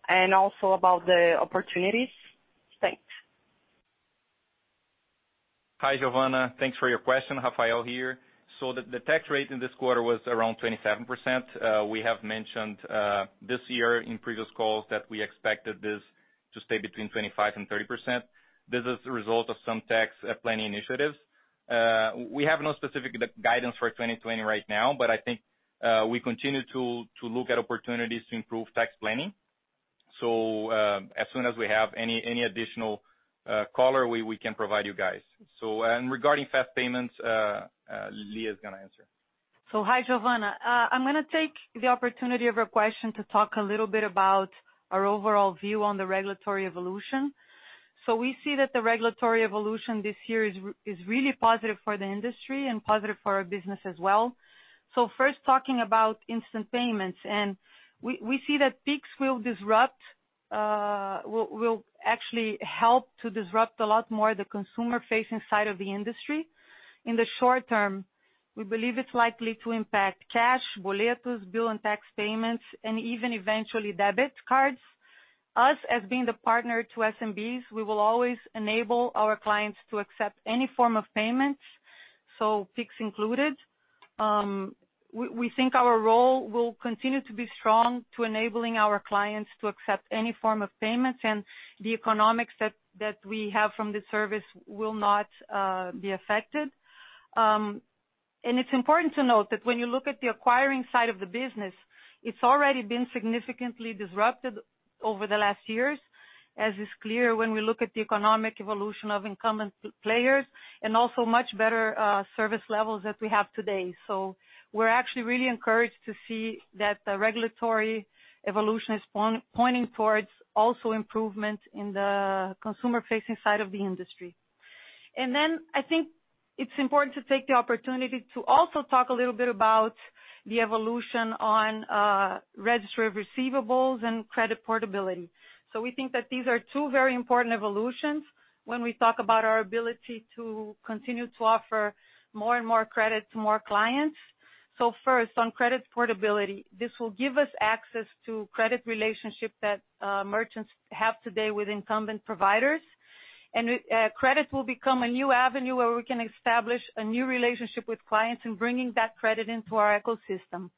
and also about the opportunities? Thanks. Hi, Giovanna. Thanks for your question. Rafael here. The tax rate in this quarter was around 27%. We have mentioned this year in previous calls that we expected this to stay between 25%-30%. This is the result of some tax planning initiatives. We have no specific guidance for 2020 right now, but I think we continue to look at opportunities to improve tax planning. As soon as we have any additional color, we can provide you guys. Regarding fast payments, Lia is going to answer. Hi, Giovanna. I'm going to take the opportunity of your question to talk a little bit about our overall view on the regulatory evolution. We see that the regulatory evolution this year is really positive for the industry and positive for our business as well. First talking about instant payments, and we see that Pix will actually help to disrupt a lot more the consumer-facing side of the industry. In the short term, we believe it's likely to impact cash, boletos, bill and tax payments, and even eventually debit cards. Us, as being the partner to SMBs, we will always enable our clients to accept any form of payments, so Pix included. We think our role will continue to be strong to enabling our clients to accept any form of payments, and the economics that we have from the service will not be affected. It's important to note that when you look at the acquiring side of the business, it's already been significantly disrupted over the last years, as is clear when we look at the economic evolution of incumbent players and also much better service levels that we have today. We're actually really encouraged to see that the regulatory evolution is pointing towards also improvement in the consumer-facing side of the industry. I think it's important to take the opportunity to also talk a little bit about the evolution on registry of receivables and credit portability. We think that these are two very important evolutions when we talk about our ability to continue to offer more and more credit to more clients. First, on credit portability, this will give us access to credit relationship that merchants have today with incumbent providers. Credit will become a new avenue where we can establish a new relationship with clients in bringing that credit into our ecosystem.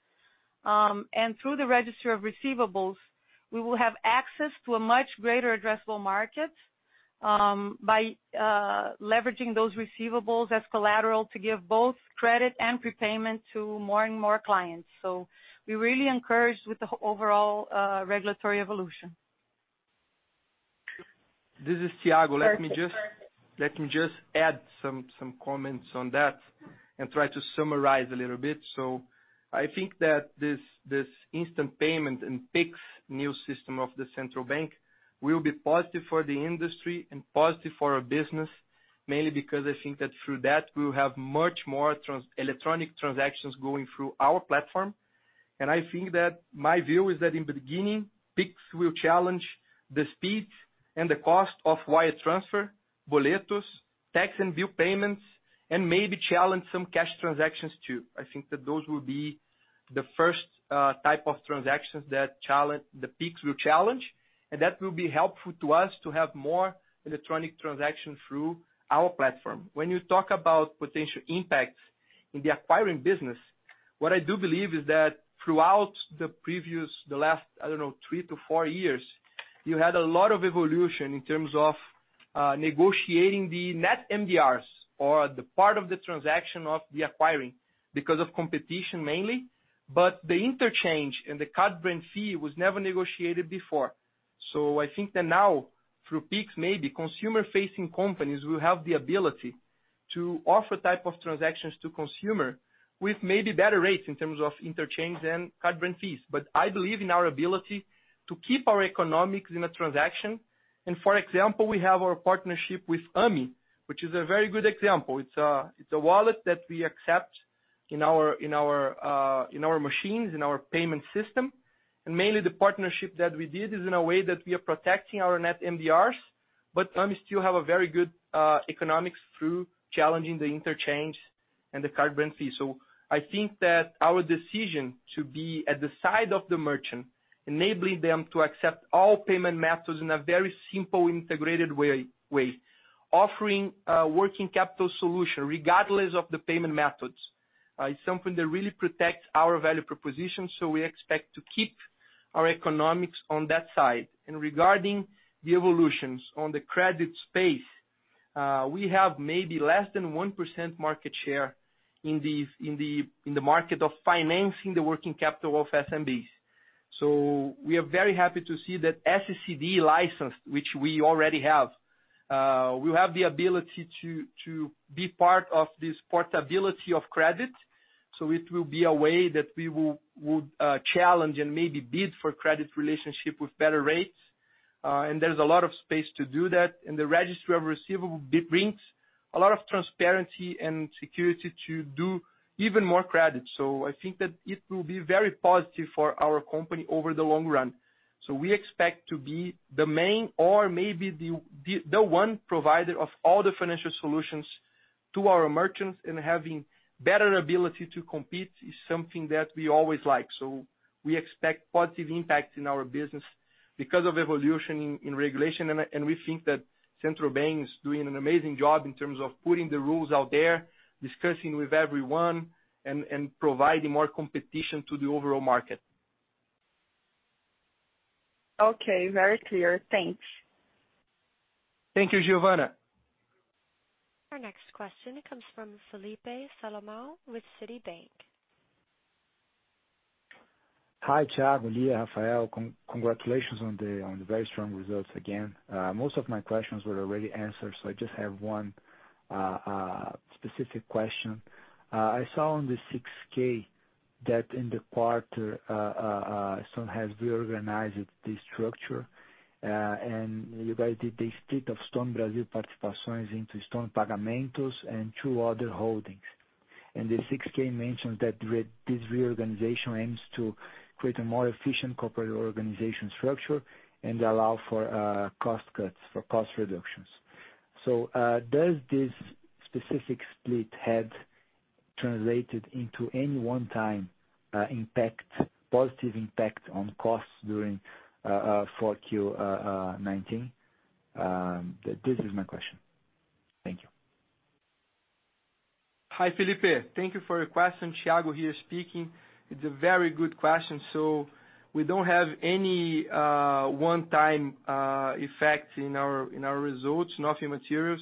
Through the registry of receivables, we will have access to a much greater addressable market by leveraging those receivables as collateral to give both credit and prepayment to more and more clients. We're really encouraged with the overall regulatory evolution. This is Thiago. Let me just add some comments on that and try to summarize a little bit. I think that this instant payment and Pix new system of the Central Bank will be positive for the industry and positive for our business, mainly because I think that through that, we will have much more electronic transactions going through our platform. I think that my view is that in the beginning, Pix will challenge the speed and the cost of wire transfer, boletos, tax and bill payments, and maybe challenge some cash transactions, too. I think that those will be the first type of transactions that Pix will challenge, and that will be helpful to us to have more electronic transactions through our platform. When you talk about potential impacts in the acquiring business, what I do believe is that throughout the last three to four years, you had a lot of evolution in terms of negotiating the net MDRs or the part of the transaction of the acquiring because of competition mainly, but the interchange and the card brand fee was never negotiated before. I think that now, through Pix, maybe consumer-facing companies will have the ability to offer type of transactions to consumer with maybe better rates in terms of interchange than card brand fees. I believe in our ability to keep our economics in a transaction. For example, we have our partnership with Ame, which is a very good example. It's a wallet that we accept in our machines, in our payment system. Mainly the partnership that we did is in a way that we are protecting our net MDRs, but Ame still have a very good economics through challenging the interchange and the card brand fee. I think that our decision to be at the side of the merchant, enabling them to accept all payment methods in a very simple, integrated way, offering a working capital solution regardless of the payment methods, is something that really protects our value proposition. We expect to keep our economics on that side. Regarding the evolutions on the credit space, we have maybe less than 1% market share in the market of financing the working capital of SMBs. We are very happy to see that SCD license, which we already have. We have the ability to be part of this portability of credit. It will be a way that we would challenge and maybe bid for credit relationship with better rates. There's a lot of space to do that. The registry of receivable brings a lot of transparency and security to do even more credit. I think that it will be very positive for our company over the long run. We expect to be the main or maybe the one provider of all the financial solutions to our merchants. Having better ability to compete is something that we always like. We expect positive impact in our business because of evolution in regulation, and we think that Central Bank is doing an amazing job in terms of putting the rules out there, discussing with everyone, and providing more competition to the overall market. Okay. Very clear. Thanks. Thank you, Giovanna. Our next question comes from Fellipe Salomão with Citi. Hi, Thiago, Lia, Rafael. Congratulations on the very strong results again. Most of my questions were already answered. I just have one specific question. I saw on the 6-K that in the quarter, Stone has reorganized the structure. You guys did the split of Stone Brasil Participações into Stone Pagamentos and two other holdings. The 6-K mentions that this reorganization aims to create a more efficient corporate organization structure and allow for cost reductions. Does this specific split had translated into any one-time positive impact on costs during 4Q 2019? This is my question. Thank you. Hi, Fellipe. Thank you for your question. Thiago here speaking. It's a very good question. We don't have any one-time effect in our results. Nothing material.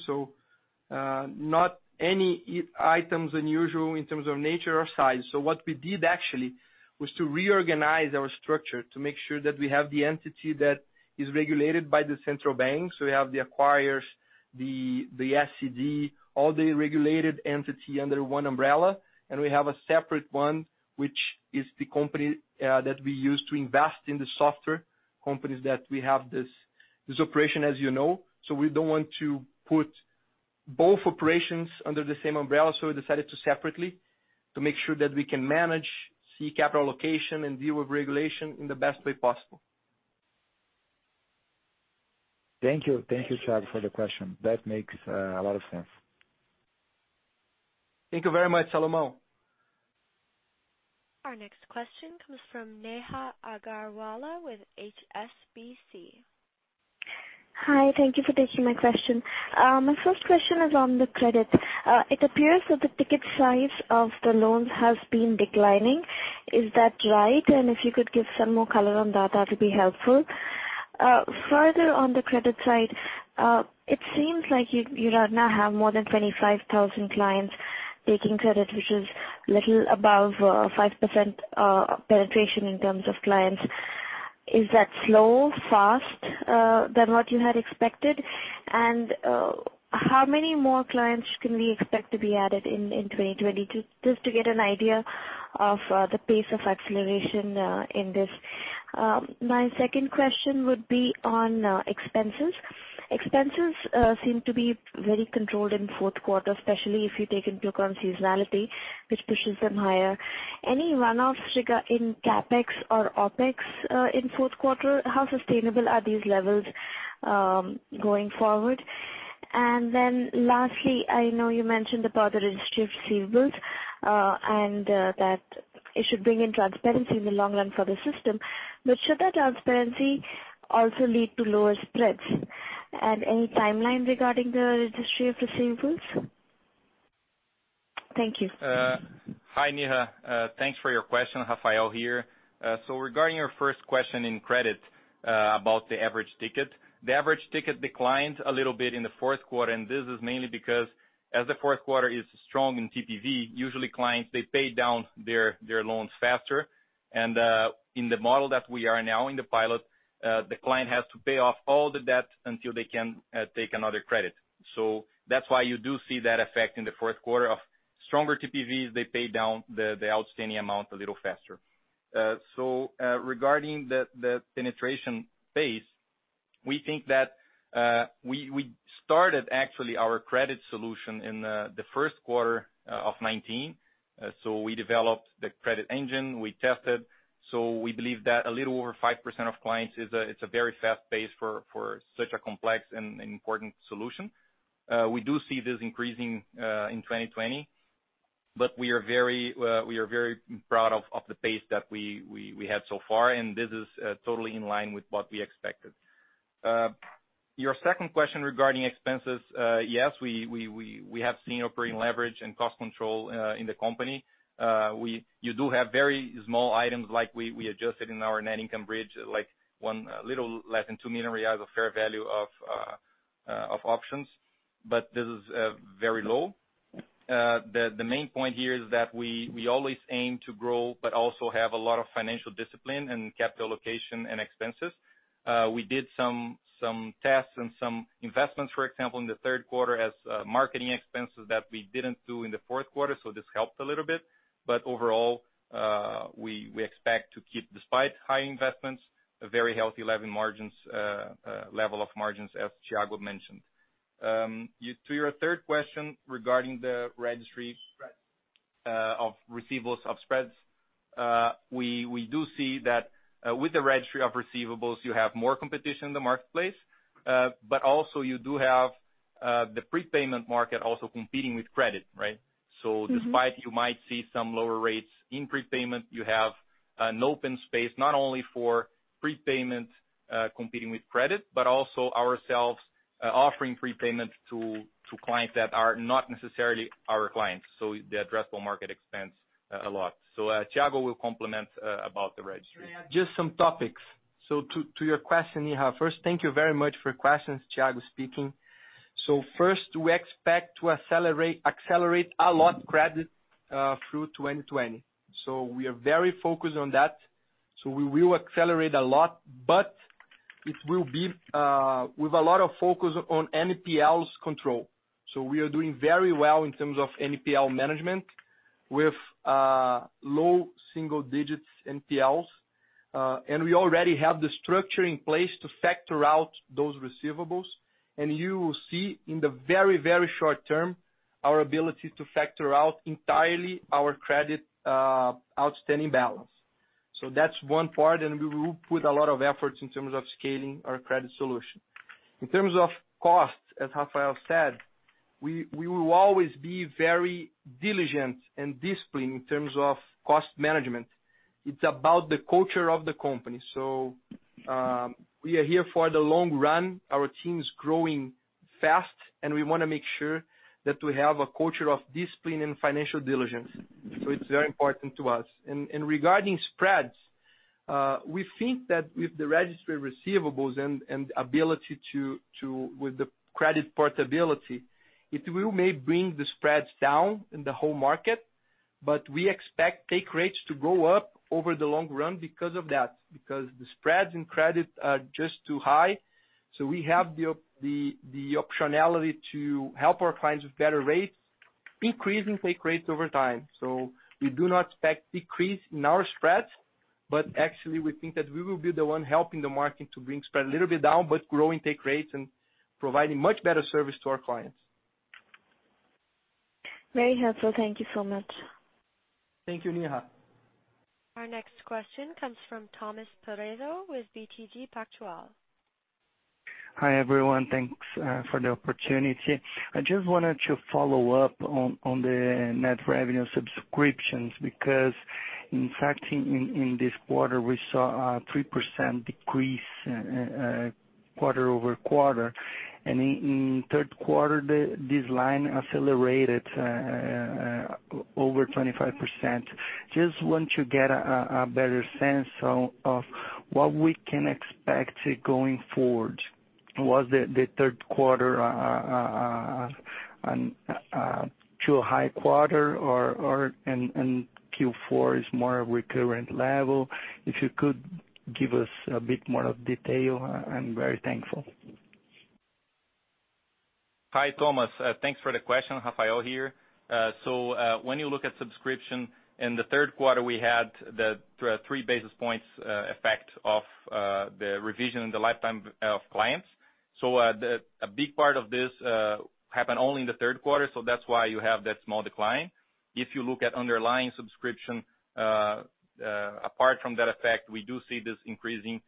Not any items unusual in terms of nature or size. What we did actually, was to reorganize our structure to make sure that we have the entity that is regulated by the Central Bank. We have the acquirers, the SCD, all the regulated entity under one umbrella, and we have a separate one, which is the company that we use to invest in the software companies that we have this operation, as you know. We don't want to put both operations under the same umbrella, so we decided to separately to make sure that we can manage, see capital allocation, and deal with regulation in the best way possible. Thank you. Thank you, Chad, for the question. That makes a lot of sense. Thank you very much, Salomão. Our next question comes from Neha Agarwala with HSBC. Hi. Thank you for taking my question. My first question is on the credit. It appears that the ticket size of the loans has been declining. Is that right? If you could give some more color on that would be helpful. Further on the credit side, it seems like you now have more than 25,000 clients taking credit, which is little above 5% penetration in terms of clients. Is that slow, fast than what you had expected? How many more clients can we expect to be added in 2022, just to get an idea of the pace of acceleration in this? My second question would be on expenses. Expenses seem to be very controlled in fourth quarter, especially if you take into account seasonality, which pushes them higher. Any run offs in CapEx or OpEx in fourth quarter? How sustainable are these levels going forward? Lastly, I know you mentioned about the registry of receivables, and that it should bring in transparency in the long run for the system. Should that transparency also lead to lower spreads? Any timeline regarding the registry of receivables? Thank you. Hi, Neha. Thanks for your question. Rafael here. Regarding your first question in credit, about the average ticket. The average ticket declined a little bit in the fourth quarter, and this is mainly because as the fourth quarter is strong in TPV, usually clients, they pay down their loans faster. In the model that we are now in the pilot, the client has to pay off all the debt until they can take another credit. That's why you do see that effect in the fourth quarter of stronger TPVs, they pay down the outstanding amount a little faster. Regarding the penetration pace, we think that we started actually our credit solution in the first quarter of 2019. We developed the credit engine, we tested. We believe that a little over 5% of clients is a very fast pace for such a complex and important solution. We do see this increasing in 2020. We are very proud of the pace that we had so far, and this is totally in line with what we expected. Your second question regarding expenses. Yes, we have seen operating leverage and cost control in the company. You do have very small items like we adjusted in our net income bridge, like one little less than 2 million reais of fair value of options. This is very low. The main point here is that we always aim to grow, but also have a lot of financial discipline and capital allocation and expenses. We did some tests and some investments, for example, in the third quarter as marketing expenses that we didn't do in the fourth quarter, so this helped a little bit. Overall, we expect to keep, despite high investments, a very healthy level of margins, as Thiago mentioned. To your third question regarding the registry of receivables of spreads. We do see that with the registry of receivables, you have more competition in the marketplace. Also you do have the prepayment market also competing with credit, right? Despite you might see some lower rates in prepayment, you have an open space, not only for prepayment competing with credit, but also ourselves offering prepayment to clients that are not necessarily our clients. The addressable market expands a lot. Thiago will complement about the registry. Just some topics. To your question, Neha. First, thank you very much for your questions. Thiago speaking. First, we expect to accelerate a lot credit through 2020. We are very focused on that. We will accelerate a lot, but it will be with a lot of focus on NPLs control. We are doing very well in terms of NPL management with low single digits NPLs. We already have the structure in place to factor out those receivables. You will see in the very, very short term, our ability to factor out entirely our credit outstanding balance. That's one part, and we will put a lot of efforts in terms of scaling our credit solution. In terms of cost, as Rafael said, we will always be very diligent and disciplined in terms of cost management. It's about the culture of the company. We are here for the long run. Our team's growing fast, and we want to make sure that we have a culture of discipline and financial diligence. It's very important to us. Regarding spreads, we think that with the registry receivables and ability with the credit portability, it will may bring the spreads down in the whole market, but we expect take rates to go up over the long run because of that, because the spreads in credit are just too high. We have the optionality to help our clients with better rates. Increasing take rates over time. We do not expect decrease in our spreads, but actually we think that we will be the one helping the market to bring spread a little bit down, but growing take rates and providing much better service to our clients. Very helpful. Thank you so much. Thank you, Neha. Our next question comes from Thomas Peredo with BTG Pactual. Hi, everyone. Thanks for the opportunity. I just wanted to follow up on the net revenue subscriptions, because in fact, in this quarter, we saw a 3% decrease quarter-over-quarter. In third quarter, this line accelerated over 25%. I just want to get a better sense of what we can expect going forward. Was the third quarter too high quarter or Q4 is more a recurrent level? If you could give us a bit more detail, I'm very thankful. Hi, Thomas. Thanks for the question. Rafael here. When you look at subscription, in the third quarter, we had the 3 basis points effect of the revision in the lifetime of clients. A big part of this happened only in the third quarter, so that's why you have that small decline. If you look at underlying subscription, apart from that effect, we do see this increasing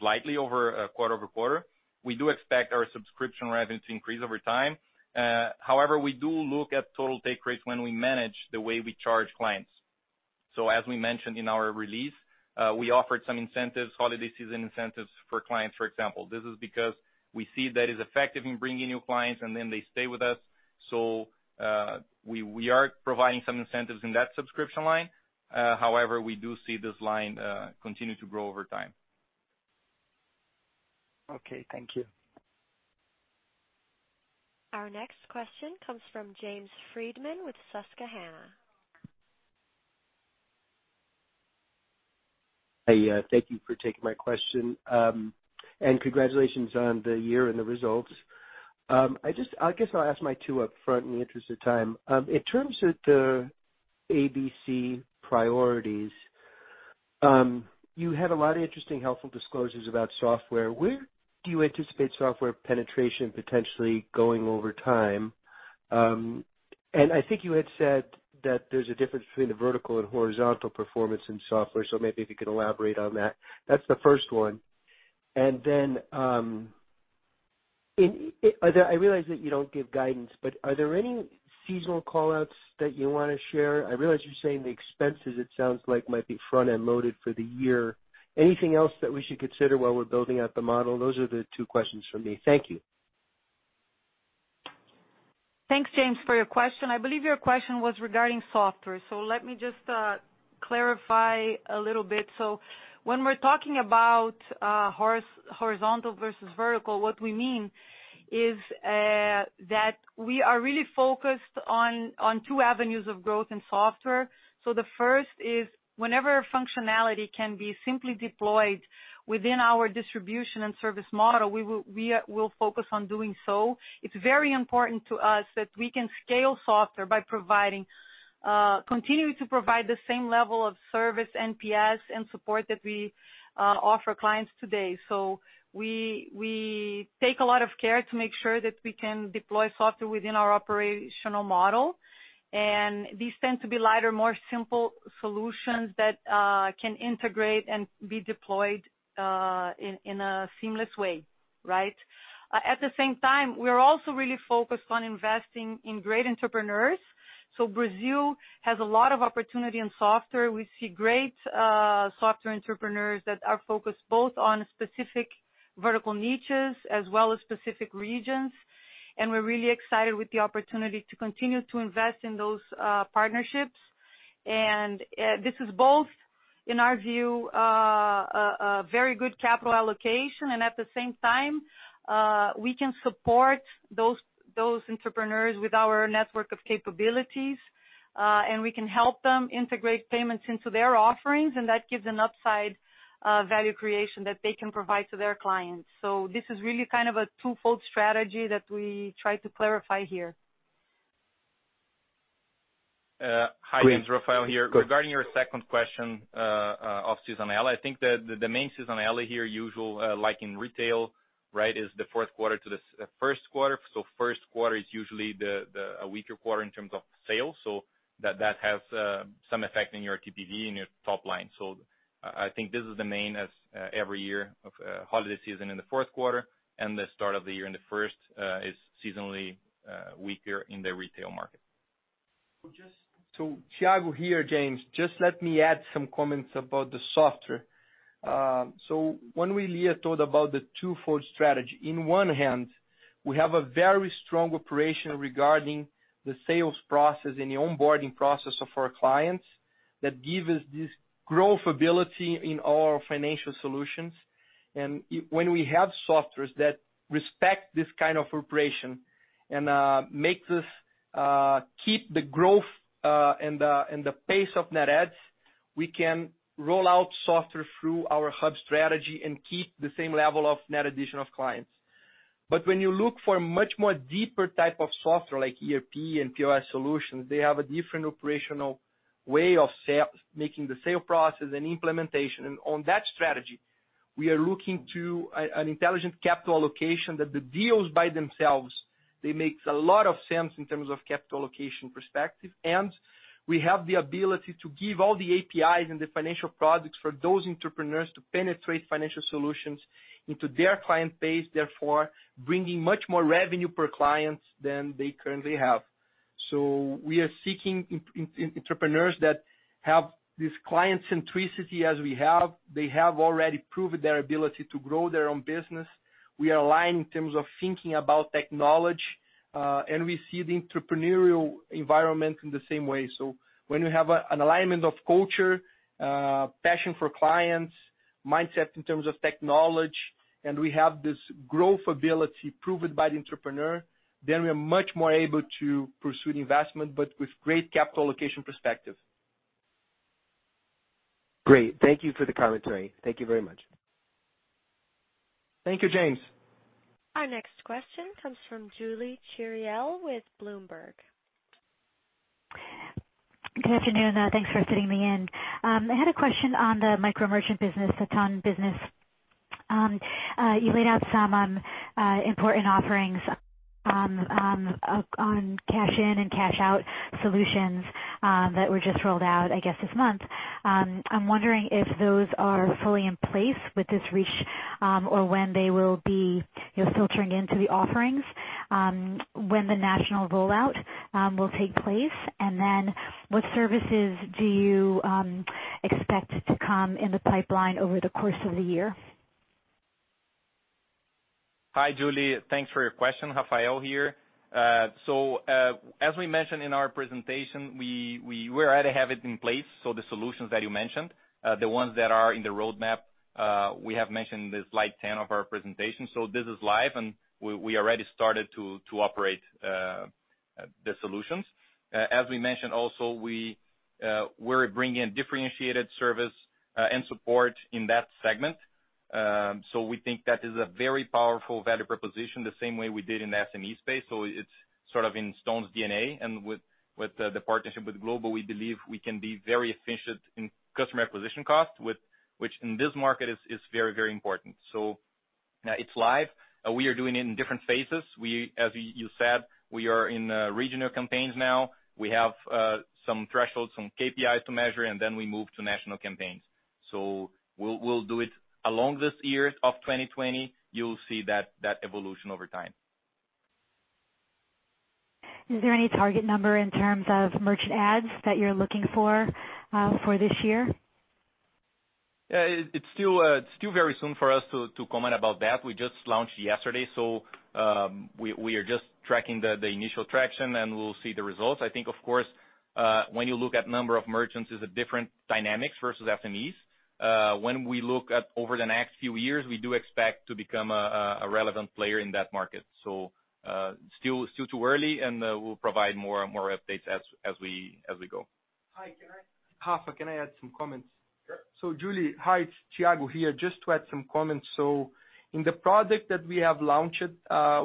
slightly over quarter-over-quarter. We do expect our subscription revenue to increase over time. However, we do look at total take rates when we manage the way we charge clients. As we mentioned in our release, we offered some incentives, holiday season incentives for clients, for example. This is because we see that is effective in bringing new clients and then they stay with us. We are providing some incentives in that subscription line. We do see this line continue to grow over time. Okay, thank you. Our next question comes from James Friedman with Susquehanna. Hi. Thank you for taking my question. Congratulations on the year and the results. I guess I'll ask my two upfront in the interest of time. In terms of the ABC priorities, you had a lot of interesting, helpful disclosures about software. Where do you anticipate software penetration potentially going over time? I think you had said that there's a difference between the vertical and horizontal performance in software, so maybe if you could elaborate on that. That's the first one. I realize that you don't give guidance, but are there any seasonal call-outs that you want to share? I realize you're saying the expenses, it sounds like might be front-end loaded for the year. Anything else that we should consider while we're building out the model? Those are the two questions from me. Thank you. Thanks, James, for your question. I believe your question was regarding software. Let me just clarify a little bit. When we're talking about horizontal versus vertical, what we mean is that we are really focused on two avenues of growth in software. The first is whenever functionality can be simply deployed within our distribution and service model, we'll focus on doing so. It's very important to us that we can scale software by continuing to provide the same level of service, NPS, and support that we offer clients today. We take a lot of care to make sure that we can deploy software within our operational model. These tend to be lighter, more simple solutions that can integrate and be deployed in a seamless way, right? At the same time, we're also really focused on investing in great entrepreneurs. Brazil has a lot of opportunity in software. We see great software entrepreneurs that are focused both on specific vertical niches as well as specific regions, and we're really excited with the opportunity to continue to invest in those partnerships. This is both, in our view, a very good capital allocation, and at the same time, we can support those entrepreneurs with our network of capabilities, and we can help them integrate payments into their offerings, and that gives an upside value creation that they can provide to their clients. This is really kind of a twofold strategy that we try to clarify here. Hi, James. Rafael here. Regarding your second question of seasonality, I think the main seasonality here, usual like in retail, right, is the fourth quarter to the first quarter. First quarter is usually a weaker quarter in terms of sales. That has some effect in your TPV and your top line. I think this is the main as every year of holiday season in the fourth quarter and the start of the year in the first is seasonally weaker in the retail market. Thiago here, James. Just let me add some comments about the software. When Lia told about the twofold strategy, in one hand, we have a very strong operation regarding the sales process and the onboarding process of our clients that give us this growth ability in our financial solutions. When we have softwares that respect this kind of operation and makes us keep the growth and the pace of net adds We can roll out software through our hub strategy keep the same level of net addition of clients. When you look for much more deeper type of software like ERP and POS solutions, they have a different operational way of making the sale process and implementation. On that strategy, we are looking to an intelligent capital allocation that the deals by themselves, they makes a lot of sense in terms of capital allocation perspective. We have the ability to give all the APIs and the financial products for those entrepreneurs to penetrate financial solutions into their client base, therefore, bringing much more revenue per client than they currently have. We are seeking entrepreneurs that have this client centricity as we have. They have already proven their ability to grow their own business. We are aligned in terms of thinking about technology, and we see the entrepreneurial environment in the same way. When we have an alignment of culture, passion for clients, mindset in terms of technology, and we have this growth ability proven by the entrepreneur, then we are much more able to pursue the investment, but with great capital allocation perspective. Great. Thank you for the commentary. Thank you very much. Thank you, James. Our next question comes from Julie Chariell with Bloomberg. Good afternoon. Thanks for fitting me in. I had a question on the micro merchant business, the Ton business. You laid out some important offerings on cash in and cash out solutions that were just rolled out, I guess, this month. I'm wondering if those are fully in place with this reach or when they will be filtering into the offerings, when the national rollout will take place, and then what services do you expect to come in the pipeline over the course of the year? Hi, Julie. Thanks for your question. Rafael here. As we mentioned in our presentation, we already have it in place. The solutions that you mentioned, the ones that are in the roadmap, we have mentioned in slide 10 of our presentation. This is live, and we already started to operate the solutions. As we mentioned also, we're bringing differentiated service and support in that segment. We think that is a very powerful value proposition, the same way we did in the SME space. It's sort of in StoneCo's DNA. With the partnership with Globo, we believe we can be very efficient in customer acquisition costs, which in this market is very important. It's live. We are doing it in different phases. As you said, we are in regional campaigns now. We have some thresholds, some KPIs to measure, and then we move to national campaigns. We'll do it along this year of 2020. You'll see that evolution over time. Is there any target number in terms of merchant adds that you're looking for this year? It's still very soon for us to comment about that. We just launched yesterday, so we are just tracking the initial traction, and we'll see the results. I think, of course, when you look at number of merchants, it's a different dynamics versus SMEs. When we look at over the next few years, we do expect to become a relevant player in that market. Still too early, and we'll provide more updates as we go. Hi. Rafa, can I add some comments?. Julie, hi, it's Thiago here, just to add some comments. In the product that we have launched,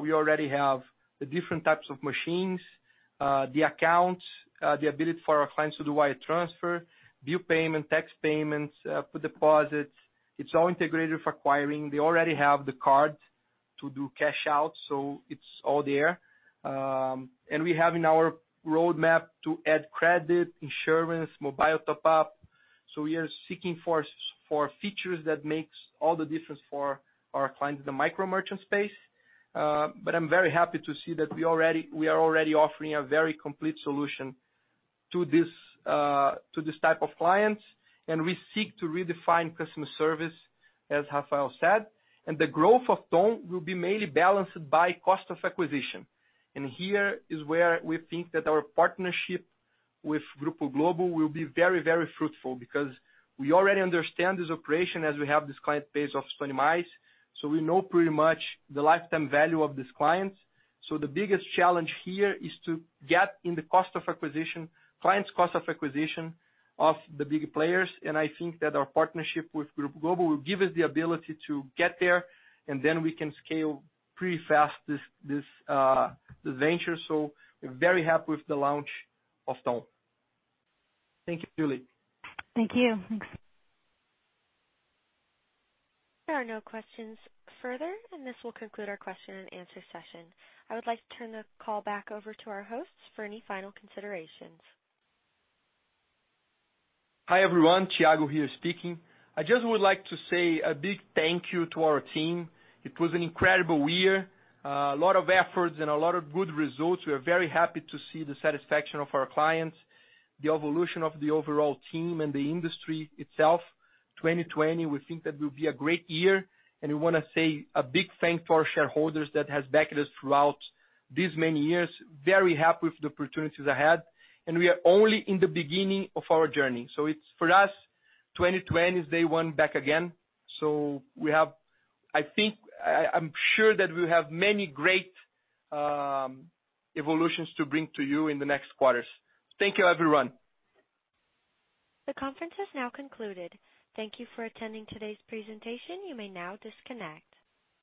we already have the different types of machines, the accounts, the ability for our clients to do wire transfer, bill payment, tax payments, put deposits. It's all integrated for acquiring. They already have the card to do cash out, so it's all there. We have in our roadmap to add credit, insurance, mobile top up. We are seeking for features that makes all the difference for our clients in the micro merchant space. I'm very happy to see that we are already offering a very complete solution to these type of clients, and we seek to redefine customer service, as Rafael said. The growth of Ton will be mainly balanced by cost of acquisition. Here is where we think that our partnership with Grupo Globo will be very fruitful because we already understand this operation as we have this client base of 20 mics. We know pretty much the lifetime value of this client. The biggest challenge here is to get in the clients' cost of acquisition of the big players, and I think that our partnership with Grupo Globo will give us the ability to get there, and then we can scale pretty fast this venture. We're very happy with the launch of Ton. Thank you, Julie. Thank you. There are no questions further. This will conclude our question and answer session. I would like to turn the call back over to our hosts for any final considerations. Hi, everyone. Thiago here speaking. I just would like to say a big thank you to our team. It was an incredible year. A lot of efforts and a lot of good results. We are very happy to see the satisfaction of our clients, the evolution of the overall team and the industry itself. 2020, we think that will be a great year, and we want to say a big thank to our shareholders that has backed us throughout these many years. Very happy with the opportunities ahead, and we are only in the beginning of our journey. For us, 2020 is day one back again. I'm sure that we have many great evolutions to bring to you in the next quarters. Thank you, everyone. The conference has now concluded. Thank you for attending today's presentation. You may now disconnect.